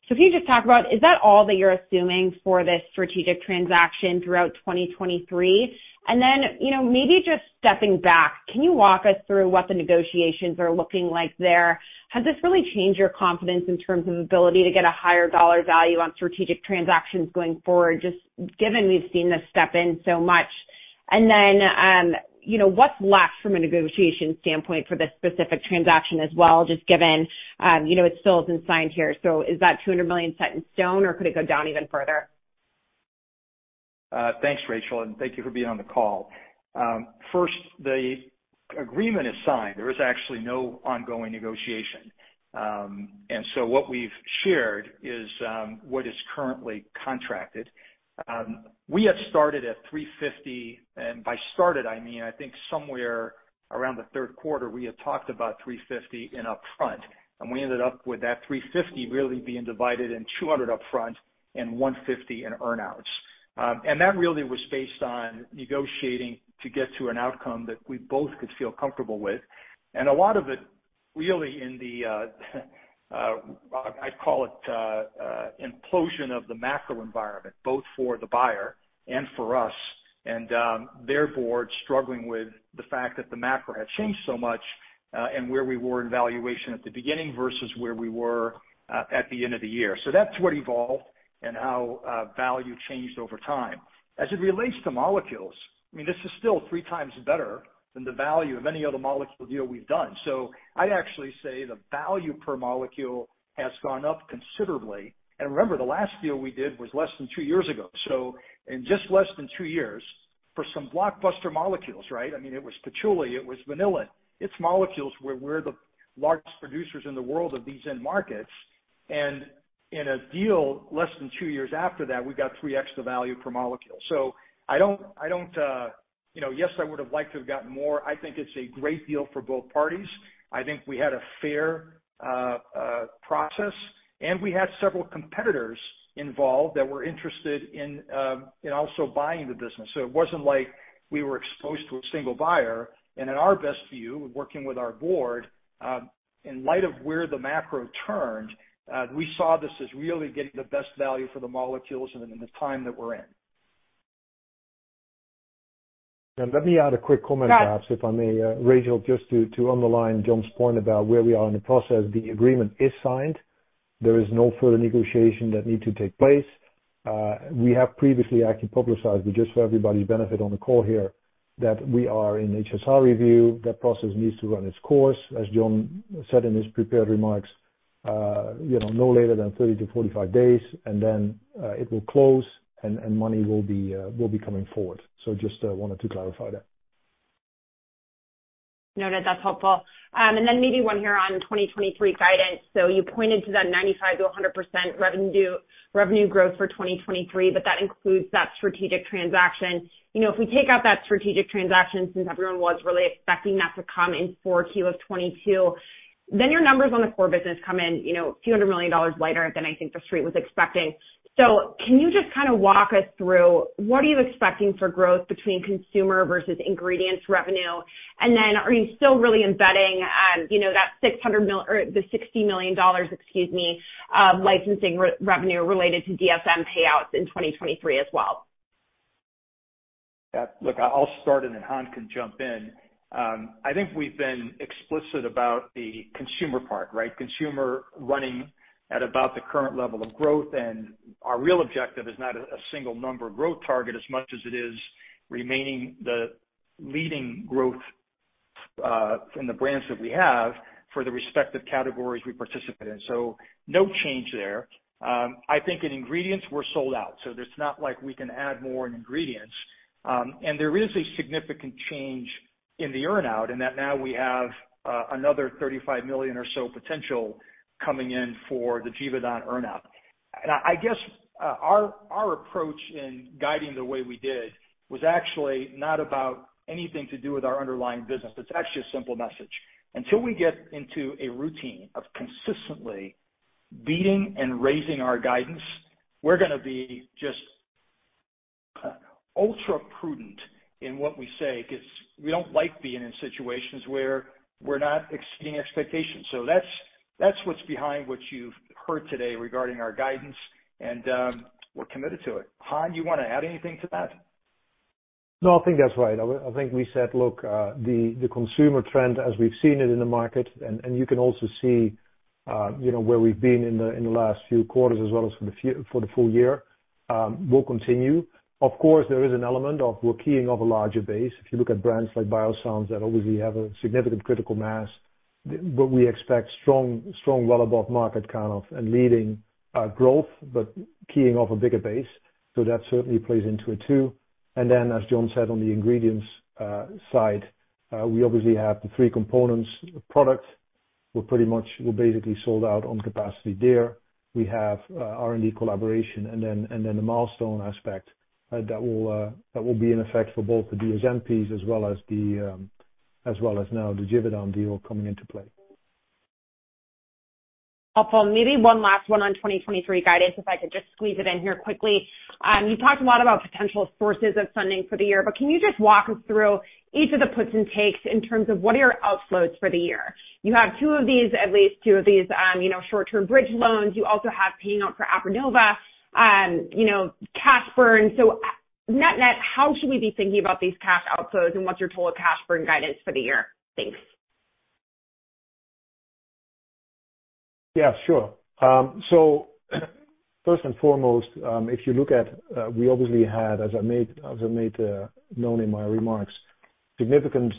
Can you just talk about, is that all that you're assuming for this strategic transaction throughout 2023? you know, maybe just stepping back, can you walk us through what the negotiations are looking like there? Has this really changed your confidence in terms of ability to get a higher dollar value on strategic transactions going forward, just given we've seen this step in so much? you know, what's left from a negotiation standpoint for this specific transaction as well, just given, you know, it still isn't signed here. Is that $200 million set in stone or could it go down even further? Thanks, Rachel, and thank you for being on the call. The agreement is signed. There is actually no ongoing negotiation. What we've shared is what is currently contracted. We had started at $350, and by started I mean, I think somewhere around the third quarter we had talked about $350 in upfront, and we ended up with that $350 really being divided in $200 upfront and $150 in earn outs. That really was based on negotiating to get to an outcome that we both could feel comfortable with. A lot of it really in the, I'd call it implosion of the macro environment, both for the buyer and for us and their board struggling with the fact that the macro had changed so much, and where we were in valuation at the beginning versus where we were at the end of the year. That's what evolved and how value changed over time. As it relates to molecules, I mean, this is still three times better than the value of any other molecule deal we've done. I'd actually say the value per molecule has gone up considerably. Remember, the last deal we did was less than two years ago. In just less than two years for some blockbuster molecules, right? I mean, it was patchouli, it was vanilla. It's molecules where we're the largest producers in the world of these end markets. In a deal less than two years after that, we got three extra value per molecule. I don't, you know, yes, I would have liked to have gotten more. I think it's a great deal for both parties. I think we had a fair process, and we had several competitors involved that were interested in also buying the business. It wasn't like we were exposed to a single buyer. In our best view, working with our board, in light of where the macro turned, we saw this as really getting the best value for the molecules and in the time that we're in. Let me add a quick comment, perhaps, if I may. Yeah Rachel, just to underline John's point about where we are in the process. The agreement is signed. There is no further negotiation that needs to take place. We have previously actually publicized, but just for everybody's benefit on the call here, that we are in HSR review. That process needs to run its course, as John said in his prepared remarks, you know, no later than 30 to 45 days, and then it will close and money will be coming forward. Just wanted to clarify that. Noted. That's helpful. Maybe one here on 2023 guidance. You pointed to that 95%-100% revenue growth for 2023, but that includes that strategic transaction. You know, if we take out that strategic transaction, since everyone was really expecting that to come in 4Q of 2022, then your numbers on the core business come in, you know, a few hundred million dollars lighter than I think the street was expecting. Can you just kinda walk us through what are you expecting for growth between consumer versus ingredients revenue? Are you still really embedding, you know, the $60 million, excuse me, licensing re-revenue related to DSM payouts in 2023 as well? Yeah. Look, I'll start. Han can jump in. I think we've been explicit about the consumer part, right? Consumer running at about the current level of growth. Our real objective is not a single number growth target as much as it is remaining the leading growth in the brands that we have for the respective categories we participate in. No change there. I think in ingredients, we're sold out. It's not like we can add more in ingredients. There is a significant change in the earn out in that now we have another $35 million or so potential coming in for the Givaudan earn out. I guess our approach in guiding the way we did was actually not about anything to do with our underlying business. It's actually a simple message. Until we get into a routine of consistently beating and raising our guidance, we're gonna be just ultra prudent in what we say because we don't like being in situations where we're not exceeding expectations. That's what's behind what you've heard today regarding our guidance and we're committed to it. Han, do you wanna add anything to that? I think that's right. I think we said, look, the consumer trend as we've seen it in the market, and you can also see, you know, where we've been in the last few quarters as well as for the full year, will continue. Of course, there is an element of we're keying off a larger base. If you look at brands like Biossance that obviously have a significant critical mass, but we expect strong well above market kind of and leading growth, but keying off a bigger base. That certainly plays into it too. Then, as John said on the ingredients side, we obviously have the three components. Product, we're basically sold out on capacity there. We have R&D collaboration and then the milestone aspect that will be in effect for both the DSM piece as well as the, as well as now the Givaudan deal coming into play. Helpful. Maybe one last one on 2023 guidance, if I could just squeeze it in here quickly. You talked a lot about potential sources of funding for the year, but can you just walk us through each of the puts and takes in terms of what are your outflows for the year? You have two of these, at least two of these, you know, short-term bridge loans. You also have paying out for Aprinnova, you know, cash burn. Net-net, how should we be thinking about these cash outflows and what's your total cash burn guidance for the year? Thanks. Yeah, sure. First and foremost, if you look at, we obviously had, as I made known in my remarks, significant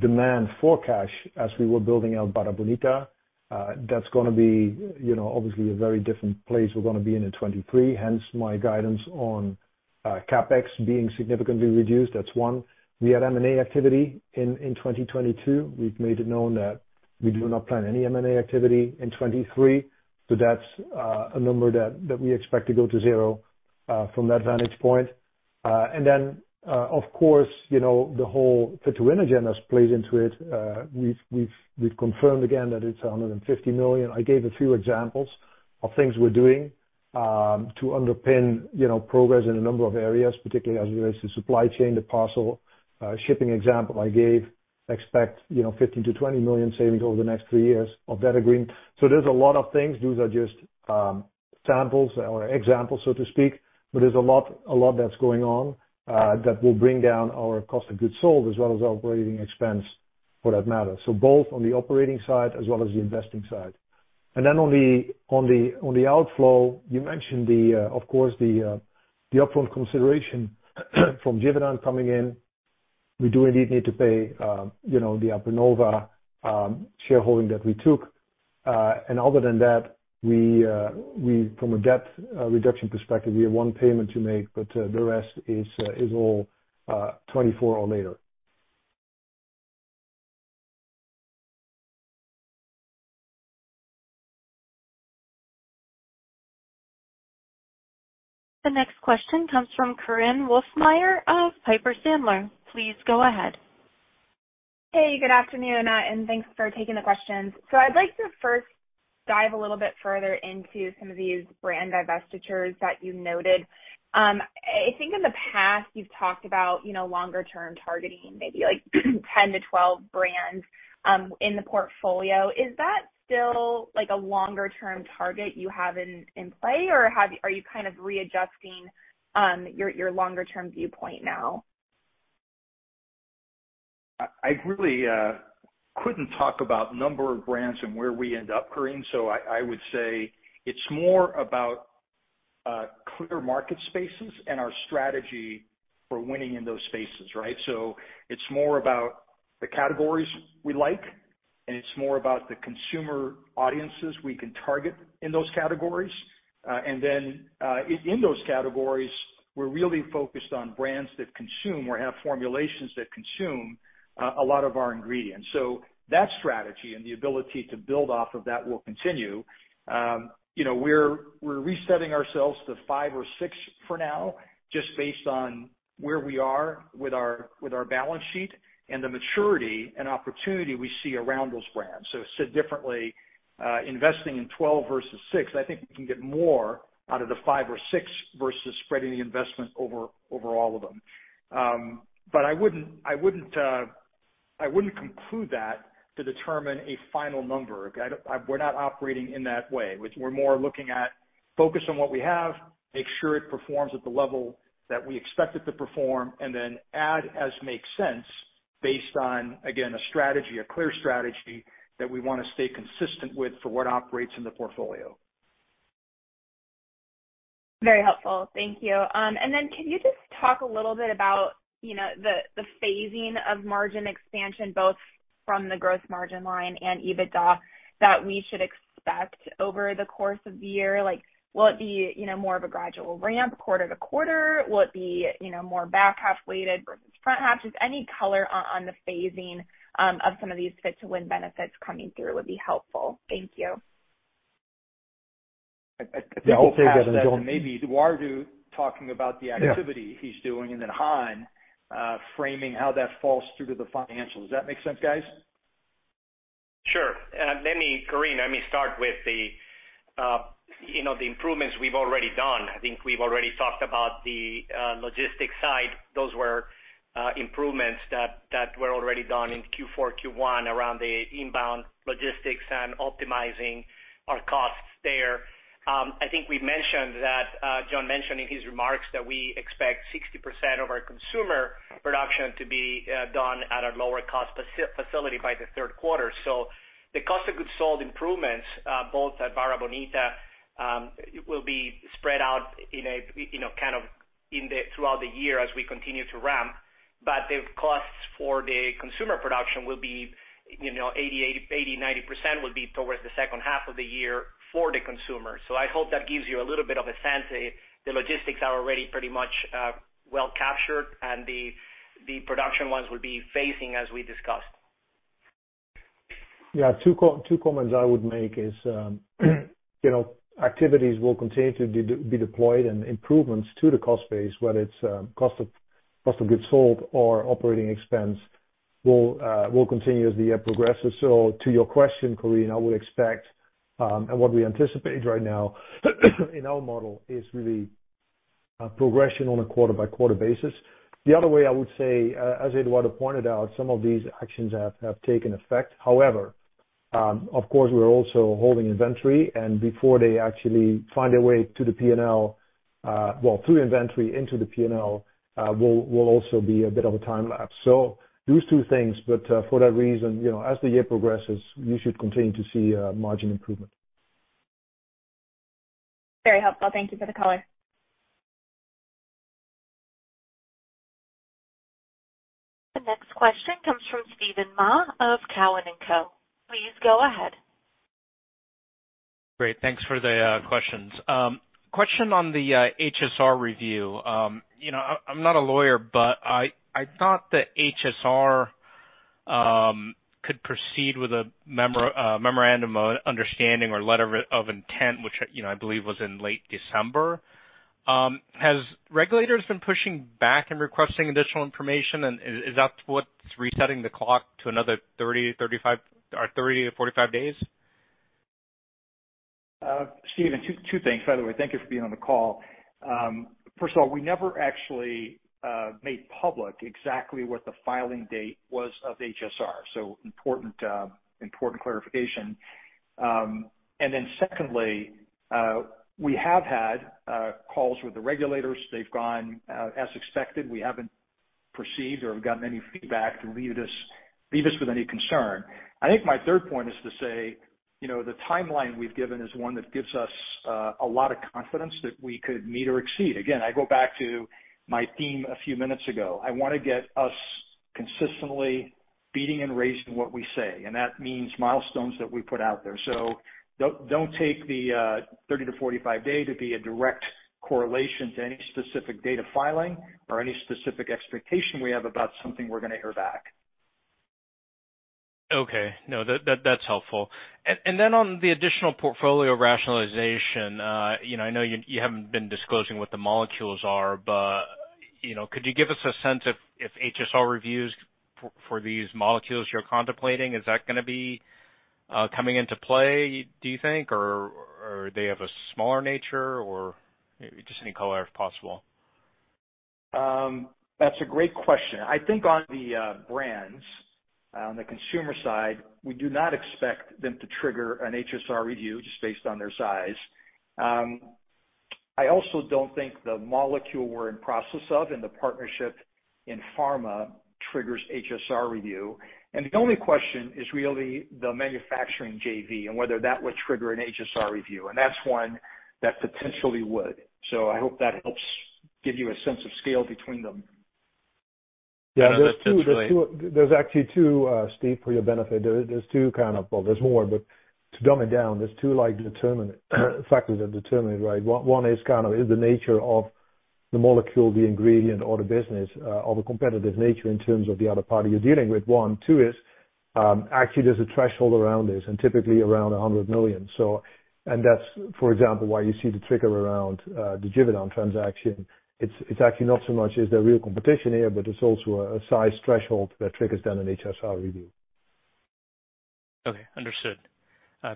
demand for cash as we were building out Barra Bonita. That's gonna be, you know, obviously a very different place we're gonna be in 2023, hence my guidance on CapEx being significantly reduced. That's one. We had M&A activity in 2022. We've made it known that we do not plan any M&A activity in 2023. That's a number that we expect to go to zero from that vantage point. Then, of course, you know, the whole Fit to Win agenda plays into it. We've confirmed again that it's $150 million. I gave a few examples of things we're doing, to underpin, you know, progress in a number of areas, particularly as it relates to supply chain, the parcel, shipping example I gave. Expect, you know, $15 million-$20 million savings over the next three years of that agreeing. There's a lot of things. Those are just samples or examples, so to speak. There's a lot that's going on, that will bring down our cost of goods sold as well as operating expense for that matter. Both on the operating side as well as the investing side. Then on the, on the, on the outflow, you mentioned the, of course, the upfront consideration from Givaudan coming in. We do indeed need to pay, you know, the Aprinnova shareholding that we took. Other than that, we from a debt reduction perspective, we have one payment to make, but the rest is all 2024 or later. The next question comes from Korinne Wolfmeyer of Piper Sandler. Please go ahead. Hey, good afternoon, and thanks for taking the questions. I'd like to first dive a little bit further into some of these brand divestitures that you noted. I think in the past you've talked about, you know, longer term targeting, maybe like 10 to 12 brands in the portfolio. Is that still like a longer term target you have in play, or are you kind of readjusting, your longer term viewpoint now? I really couldn't talk about number of brands and where we end up, Korinne. I would say it's more about clear market spaces and our strategy for winning in those spaces, right? It's more about the categories we like, and it's more about the consumer audiences we can target in those categories. And then, in those categories, we're really focused on brands that consume or have formulations that consume a lot of our ingredients. That strategy and the ability to build off of that will continue. You know, we're resetting ourselves to five or six for now, just based on where we are with our balance sheet and the maturity and opportunity we see around those brands. Said differently, investing in 12 versus six, I think we can get more out of the five or six versus spreading the investment over all of them. I wouldn't, I wouldn't conclude that to determine a final number. I don't. We're not operating in that way. We're more looking at focus on what we have, make sure it performs at the level that we expect it to perform, and then add as makes sense based on, again, a strategy, a clear strategy that we wanna stay consistent with for what operates in the portfolio. Very helpful. Thank you. Can you just talk a little bit about, you know, the phasing of margin expansion, both from the gross margin line and EBITDA, that we should expect over the course of the year? Like, will it be, you know, more of a gradual ramp quarter-to-quarter? Will it be, you know, more back half weighted versus front half? Just any color on the phasing of some of these Fit to Win benefits coming through would be helpful. Thank you. I think I'll take that and maybe Eduardo talking about the activity he's doing, and then Han framing how that falls through to the financial. Does that make sense, guys? Sure. Korinne, let me start with the, you know, the improvements we've already done. I think we've already talked about the logistics side. Those were improvements that were already done in Q4, Q1 around the inbound logistics and optimizing our costs there. I think we've mentioned that John mentioned in his remarks that we expect 60% of our consumer production to be done at a lower cost facility by the third quarter. The cost of goods sold improvements, both at Barra Bonita, will be spread out in a, you know, kind of throughout the year as we continue to ramp. The costs for the consumer production will be, you know, 80%, 80%, 90% will be towards the second half of the year for the consumer. I hope that gives you a little bit of a sense. The, the logistics are already pretty much well captured, and the production ones will be phasing as we discussed. Yeah. Two comments I would make is, you know, activities will continue to be deployed and improvements to the cost base, whether it's cost of goods sold or operating expense, will continue as the year progresses. To your question, Korinne, I would expect, and what we anticipate right now in our model is really a progression on a quarter-by-quarter basis. The other way I would say, as Eduardo pointed out, some of these actions have taken effect. However, of course, we're also holding inventory and before they actually find a way to the P&L, well, through inventory into the P&L, will also be a bit of a time lapse. Those two things, for that reason, you know, as the year progresses, you should continue to see margin improvement. Very helpful. Thank you for the color. The next question comes from Steven Mah of Cowen & Co. Please go ahead. Great. Thanks for the questions. Question on the HSR review. You know, I'm not a lawyer, but I thought the HSR could proceed with a memorandum of understanding or letter of intent, which, you know, I believe was in late December. Has regulators been pushing back and requesting additional information and is that what's resetting the clock to another 30, 35 or 30-45 days? Steven, two things. By the way, thank you for being on the call. First of all, we never actually made public exactly what the filing date was of HSR. Important, important clarification. Secondly, we have had calls with the regulators. They've gone as expected. We haven't perceived or gotten any feedback to leave this, leave us with any concern. I think my third point is to say, you know, the timeline we've given is one that gives us a lot of confidence that we could meet or exceed. Again, I go back to my theme a few minutes ago. I wanna get us consistently beating and raising what we say, and that means milestones that we put out there. Don't take the 30-45 day to be a direct correlation to any specific date of filing or any specific expectation we have about something we're gonna hear back. Okay. No, that's helpful. Then on the additional portfolio rationalization, you know, I know you haven't been disclosing what the molecules are, but, you know, could you give us a sense if HSR reviews for these molecules you're contemplating, is that gonna be coming into play, do you think? Or they have a smaller nature or maybe just any color if possible? That's a great question. I think on the brands on the consumer side, we do not expect them to trigger an HSR review just based on their size. I also don't think the molecule we're in process of in the partnership in pharma triggers HSR review. The only question is really the manufacturing JV and whether that would trigger an HSR review, and that's one that potentially would. I hope that helps give you a sense of scale between them. Yeah. There's two. There's actually two, Steve, for your benefit. There's two kind of. Well, there's more, but to dumb it down, there's two like determinant factors that determine it, right? One is kind of is the nature of the molecule, the ingredient or the business, or the competitive nature in terms of the other party you're dealing with, one. Two is, actually there's a threshold around this and typically around $100 million. That's, for example, why you see the trigger around the Givaudan transaction. It's actually not so much is there real competition here, but it's also a size threshold that triggers then an HSR review. Okay. Understood.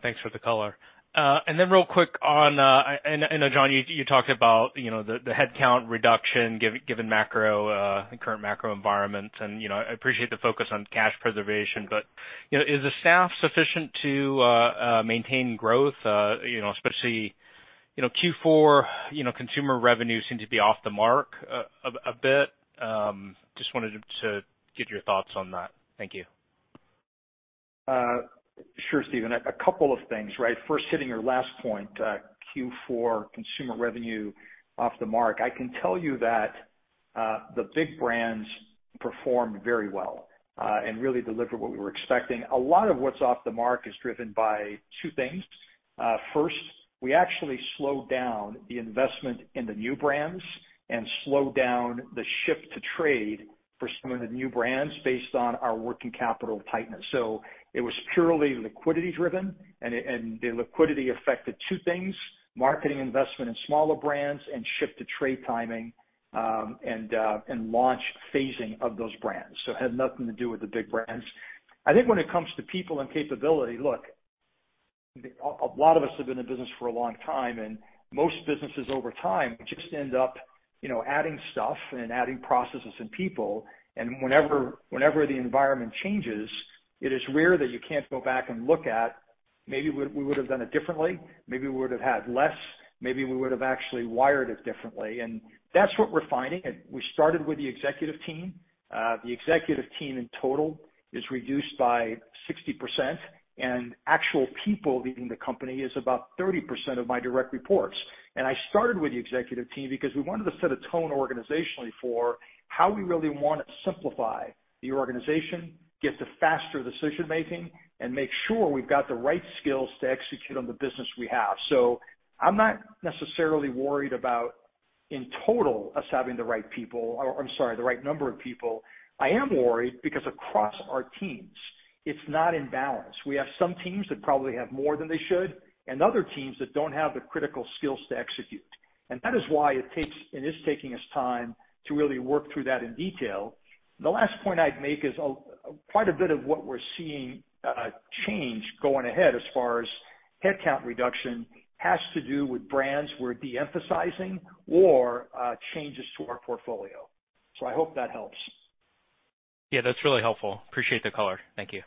Thanks for the color. Then real quick on. John, you talked about, you know, the headcount reduction given macro, current macro environment and, you know, I appreciate the focus on cash preservation. You know, is the staff sufficient to maintain growth, you know, especially, you know, Q4, you know, consumer revenue seemed to be off the mark a bit? Just wanted to get your thoughts on that. Thank you. Sure, Steven. A couple of things, right. First, hitting your last point, Q4 consumer revenue off the mark. I can tell you that the big brands performed very well and really delivered what we were expecting. A lot of what's off the mark is driven by two things. First, we actually slowed down the investment in the new brands and slowed down the ship to trade for some of the new brands based on our working capital tightness. It was purely liquidity driven, and the liquidity affected two things: marketing investment in smaller brands and ship to trade timing, and launch phasing of those brands. It had nothing to do with the big brands. I think when it comes to people and capability, look, a lot of us have been in business for a long time, most businesses over time just end up, you know, adding stuff and adding processes and people. Whenever the environment changes, it is rare that you can't go back and look at maybe we would've done it differently. Maybe we would've had less. Maybe we would've actually wired it differently. That's what we're finding. We started with the executive team. The executive team in total is reduced by 60%, and actual people leaving the company is about 30% of my direct reports. I started with the executive team because we wanted to set a tone organizationally for how we really wanna simplify the organization, get to faster decision-making, and make sure we've got the right skills to execute on the business we have. I'm not necessarily worried about in total us having the right people, or I'm sorry, the right number of people. I am worried because across our teams, it's not in balance. We have some teams that probably have more than they should, and other teams that don't have the critical skills to execute. That is why it takes and is taking us time to really work through that in detail. The last point I'd make is, quite a bit of what we're seeing, change going ahead as far as headcount reduction has to do with brands we're de-emphasizing or, changes to our portfolio. I hope that helps. Yeah, that's really helpful. Appreciate the color. Thank you.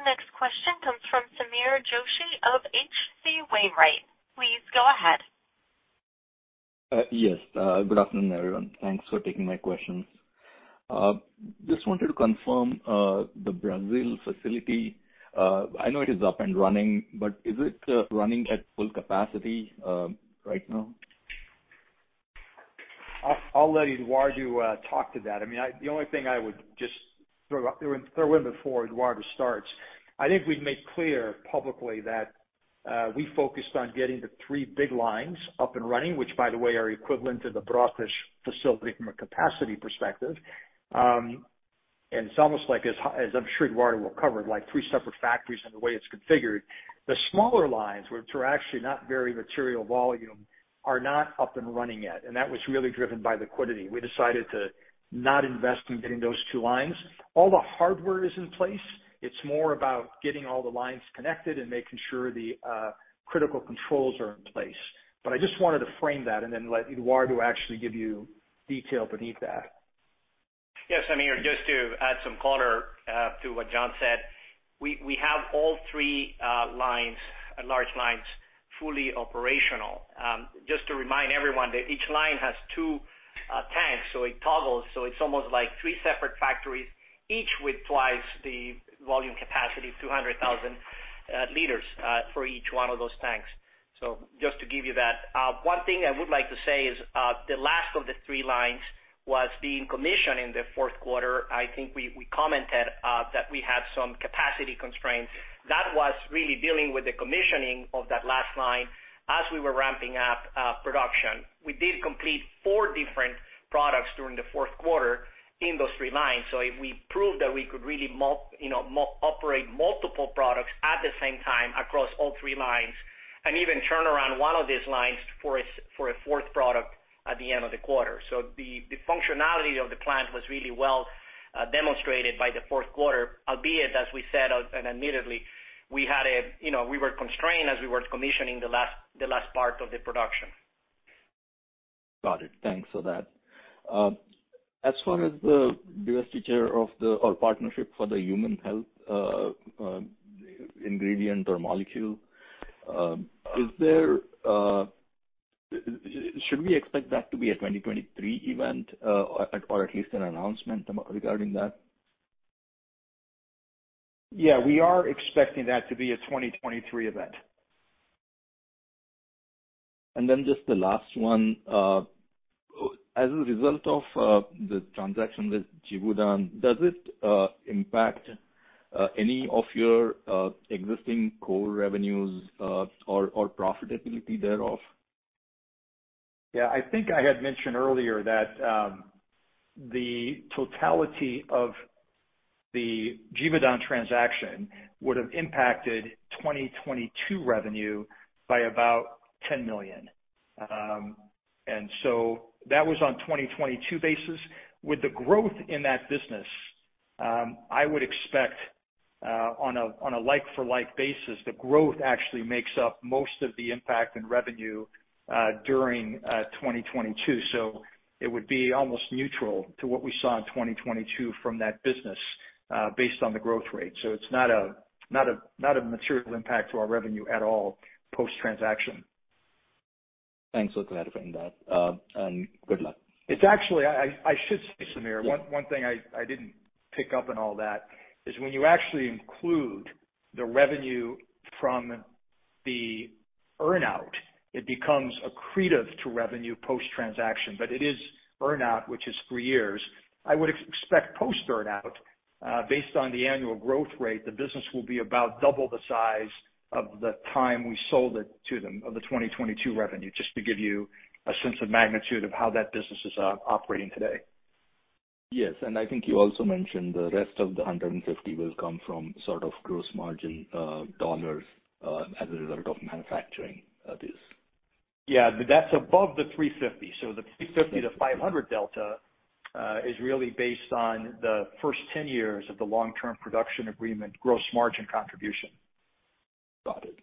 The next question comes from Sameer Joshi of HC Wainwright. Please go ahead. Yes. Good afternoon, everyone. Thanks for taking my questions. Just wanted to confirm, the Brazil facility. I know it is up and running, but is it, running at full capacity, right now? I'll let Eduardo talk to that. I mean, the only thing I would just throw in before Eduardo starts, I think we've made clear publicly that we focused on getting the three big lines up and running, which, by the way, are equivalent to the Brotas facility from a capacity perspective. And it's almost like as I'm sure Eduardo will cover, like three separate factories in the way it's configured. The smaller lines, which are actually not very material volume, are not up and running yet, and that was really driven by liquidity. We decided to not invest in getting those two lines. All the hardware is in place. It's more about getting all the lines connected and making sure the critical controls are in place. I just wanted to frame that and then let Eduardo actually give you detail beneath that. Yes, Sameer. Just to add some color to what John Melo said, we have all three lines, large lines, fully operational. Just to remind everyone that each line has two tanks. It toggles, so it's almost like three separate factories, each with twice the volume capacity, 200,000 liters for each one of those tanks. Just to give you that. One thing I would like to say is, the last of the three lines was being commissioned in the fourth quarter. I think we commented that we had some capacity constraints. That was really dealing with the commissioning of that last line as we were ramping up production. We did complete four different products during the fourth quarter in those three lines. We proved that we could really you know operate multiple products at the same time across all three lines, and even turn around one of these lines for a fourth product at the end of the quarter. The functionality of the plant was really well demonstrated by the fourth quarter, albeit, as we said, and admittedly, we had a you know we were constrained as we were commissioning the last part of the production. Got it. Thanks for that. As far as the divestiture of the partnership for the human health, ingredient or molecule, should we expect that to be a 2023 event, or at least an announcement regarding that? Yeah, we are expecting that to be a 2023 event. Just the last one. As a result of the transaction with Givaudan, does it impact any of your existing Core Revenues or profitability thereof? Yeah. I think I had mentioned earlier that the totality of the Givaudan transaction would have impacted 2022 revenue by about $10 million. That was on 2022 basis. With the growth in that business, I would expect on a like-for-like basis, the growth actually makes up most of the impact in revenue during 2022. It would be almost neutral to what we saw in 2022 from that business based on the growth rate. It's not a material impact to our revenue at all, post-transaction. Thanks. Clarifying that, and good luck. It's actually, I should say, Sameer. One thing I didn't pick up on all that is when you actually include the revenue from the earn-out, it becomes accretive to revenue post-transaction. It is earn-out, which is three years. I would expect post-earn-out, based on the annual growth rate, the business will be about double the size of the time we sold it to them, of the 2022 revenue, just to give you a sense of magnitude of how that business is operating today. Yes, I think you also mentioned the rest of the $150 will come from sort of gross margin dollars as a result of manufacturing this. That's above the $350. The $350-$500 delta is really based on the first 10 years of the long-term production agreement gross margin contribution. Got it.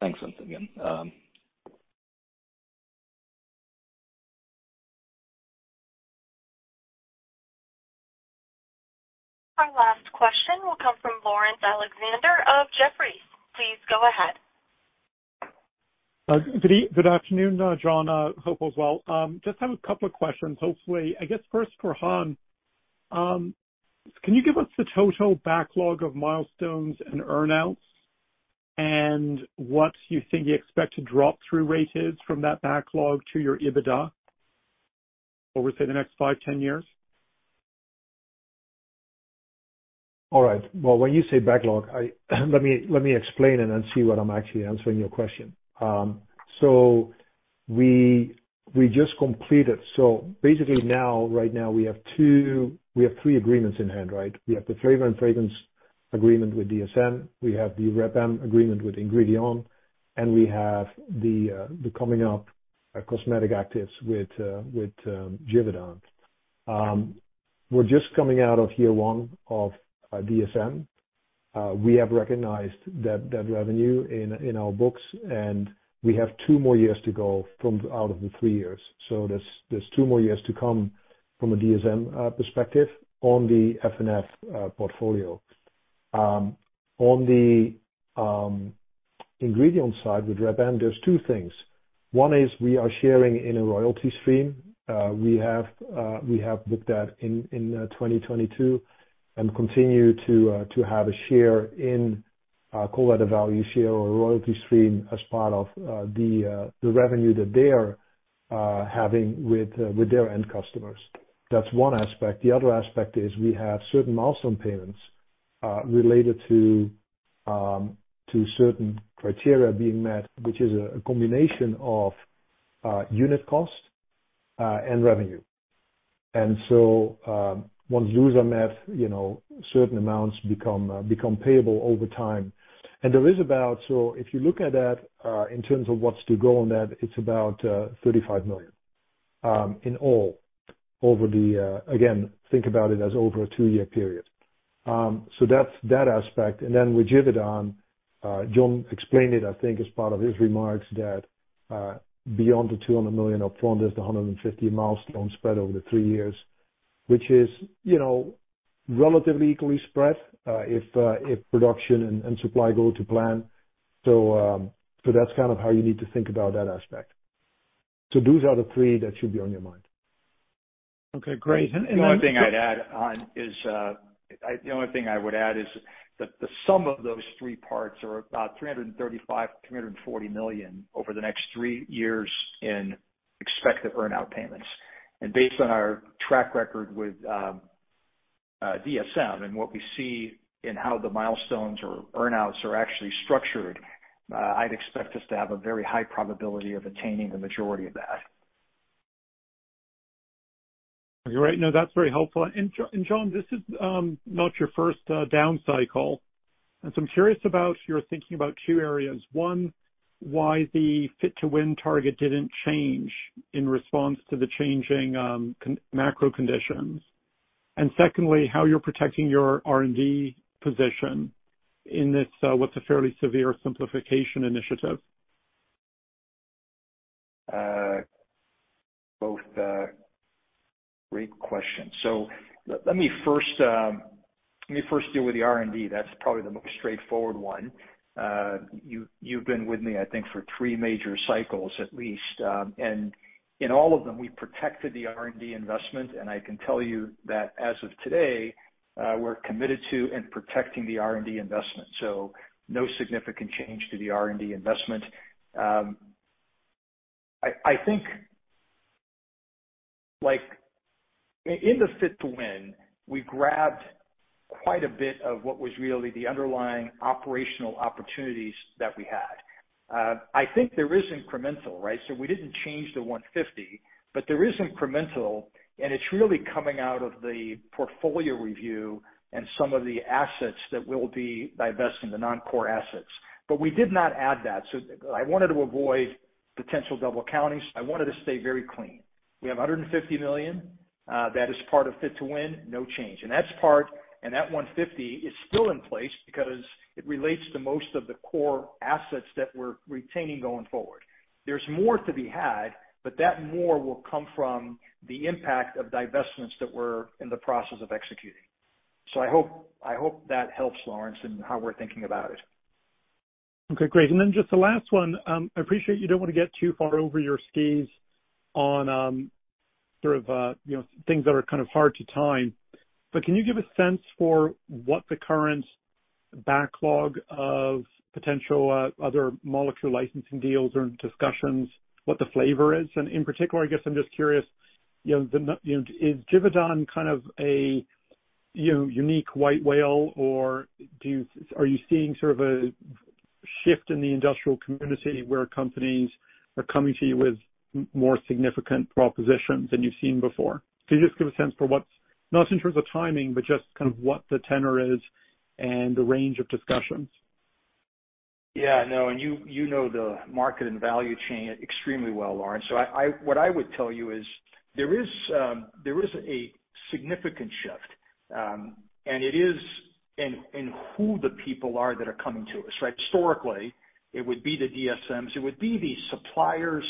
Thanks once again. Our last question will come from Laurence Alexander of Jefferies. Please go ahead. Good afternoon, John. Hope all is well. Just have a couple of questions, hopefully. I guess first for Han. Can you give us the total backlog of milestones and earn-outs and what you think you expect to drop through rate is from that backlog to your EBITDA over, say, the next five, 10 years? All right. Well, when you say backlog, let me explain and then see what I'm actually answering your question. We just completed. Right now we have three agreements in hand, right? We have the flavor and fragrance agreement with DSM, we have the Reb M agreement with Ingredion. We have the coming up cosmetic actives with Givaudan. We're just coming out of year one of DSM. We have recognized that revenue in our books. We have two more years to go from out of the three years. There's two more years to come from a DSM perspective on the F&F portfolio. On the ingredient side with Reb M, there's two things. One is we are sharing in a royalty stream. We have booked that in 2022 and continue to have a share in, call that a value share or royalty stream as part of the revenue that they are having with their end customers. That's one aspect. The other aspect is we have certain milestone payments related to certain criteria being met, which is a combination of unit cost and revenue. Once those are met, you know, certain amounts become payable over time. There is about... If you look at that, in terms of what's to go on that, it's about $35 million in all over the... Again, think about it as over a two-year period. That's that aspect. With Givaudan, John explained it, I think, as part of his remarks, that, beyond the $200 million up-front, there's the $150 million milestone spread over the three years, which is, you know, relatively equally spread, if production and supply go to plan. That's kind of how you need to think about that aspect. Those are the three that should be on your mind. Okay, great. And, The only thing I'd add, Han, is the only thing I would add is that the sum of those three parts are about $335 million-$340 million over the next three years in expected earn-out payments. Based on our track record with DSM and what we see in how the milestones or earn-outs are actually structured, I'd expect us to have a very high probability of attaining the majority of that. You're right. No, that's very helpful. John, this is not your first down cycle, I'm curious about your thinking about two areas. One, why the Fit to Win target didn't change in response to the changing macro conditions. Secondly, how you're protecting your R&D position in this, what's a fairly severe simplification initiative. Both, great questions. Let me first, let me first deal with the R&D. That's probably the most straightforward one. You've, you've been with me, I think, for three major cycles at least. And in all of them, we protected the R&D investment, and I can tell you that as of today, we're committed to and protecting the R&D investment. No significant change to the R&D investment. I think, like, in the Fit to Win, we grabbed quite a bit of what was really the underlying operational opportunities that we had. I think there is incremental, right? We didn't change the 150, but there is incremental, and it's really coming out of the portfolio review and some of the assets that we'll be divesting, the non-core assets. We did not add that. I wanted to avoid potential double counting. I wanted to stay very clean. We have $150 million. That is part of Fit to Win, no change. That $150 is still in place because it relates to most of the core assets that we're retaining going forward. There's more to be had, but that more will come from the impact of divestments that we're in the process of executing. I hope that helps, Laurence, in how we're thinking about it. Okay, great. Then just the last one. I appreciate you don't want to get too far over your skis on, sort of, you know, things that are kind of hard to time. Can you give a sense for what the current backlog of potential, other molecule licensing deals or discussions, what the flavor is? In particular, I guess I'm just curious, you know, is Givaudan kind of a, you know, unique white whale? Are you seeing sort of a shift in the industrial community where companies are coming to you with more significant propositions than you've seen before? Can you just give a sense for what's not in terms of timing, but just kind of what the tenor is and the range of discussions? Yeah, no, you know the market and value chain extremely well, Laurence. What I would tell you is there is a significant shift, and it is in who the people are that are coming to us, right? Historically, it would be the DSMs. It would be the suppliers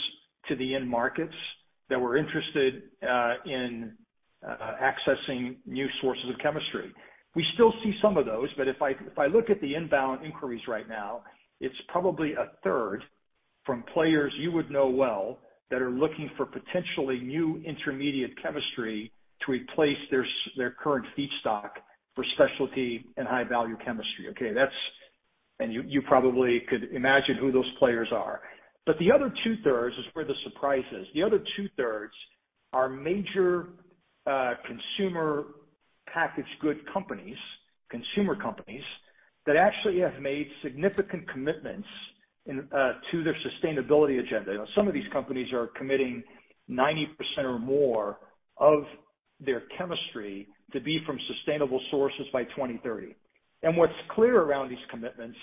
to the end markets that were interested in accessing new sources of chemistry. We still see some of those, if I look at the inbound inquiries right now, it's probably 1/3 from players you would know well that are looking for potentially new intermediate chemistry to replace their current feedstock for specialty and high-value chemistry, okay? You probably could imagine who those players are. The other 2/3 is where the surprise is. The other 2/3 are major consumer packaged good companies, consumer companies, that actually have made significant commitments to their sustainability agenda. You know, some of these companies are committing 90% or more of their chemistry to be from sustainable sources by 2030. What's clear around these commitments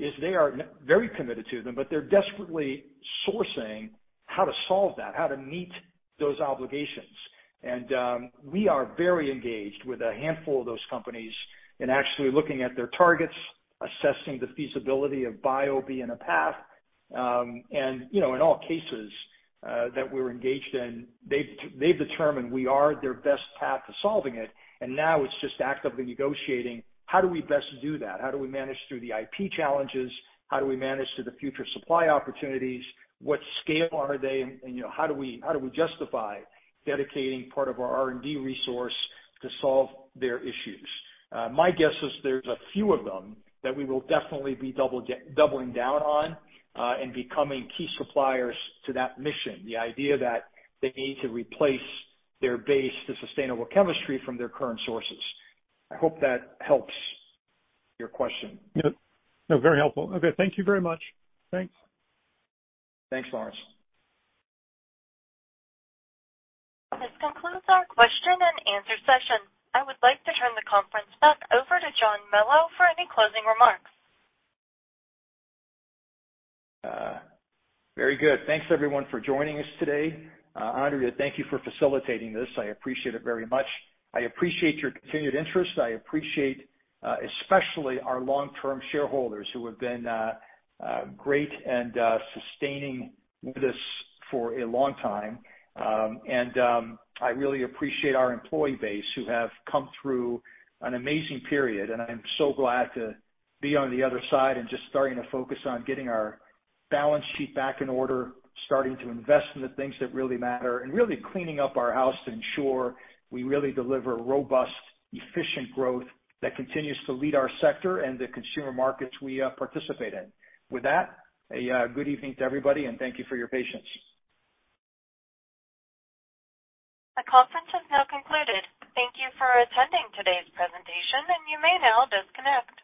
is they are very committed to them, but they're desperately sourcing how to solve that, how to meet those obligations. We are very engaged with a handful of those companies in actually looking at their targets, assessing the feasibility of bio being a path. You know, in all cases that we're engaged in, they've determined we are their best path to solving it. Now it's just actively negotiating how do we best do that? How do we manage through the IP challenges? How do we manage through the future supply opportunities? What scale are they and, you know, how do we, how do we justify dedicating part of our R&D resource to solve their issues? My guess is there's a few of them that we will definitely be doubling down on and becoming key suppliers to that mission. The idea that they need to replace their base to sustainable chemistry from their current sources. I hope that helps your question. Yeah. No, very helpful. Okay, thank you very much. Thanks. Thanks, Laurence. This concludes our question and answer session. I would like to turn the conference back over to John Melo for any closing remarks. Very good. Thanks everyone for joining us today. Andrea, thank you for facilitating this. I appreciate it very much. I appreciate your continued interest. I appreciate especially our long-term shareholders who have been great and sustaining with us for a long time. I really appreciate our employee base who have come through an amazing period. I am so glad to be on the other side and just starting to focus on getting our balance sheet back in order, starting to invest in the things that really matter, and really cleaning up our house to ensure we really deliver robust, efficient growth that continues to lead our sector and the consumer markets we participate in. With that, a good evening to everybody, and thank you for your patience. The conference has now concluded. Thank you for attending today's presentation. You may now disconnect.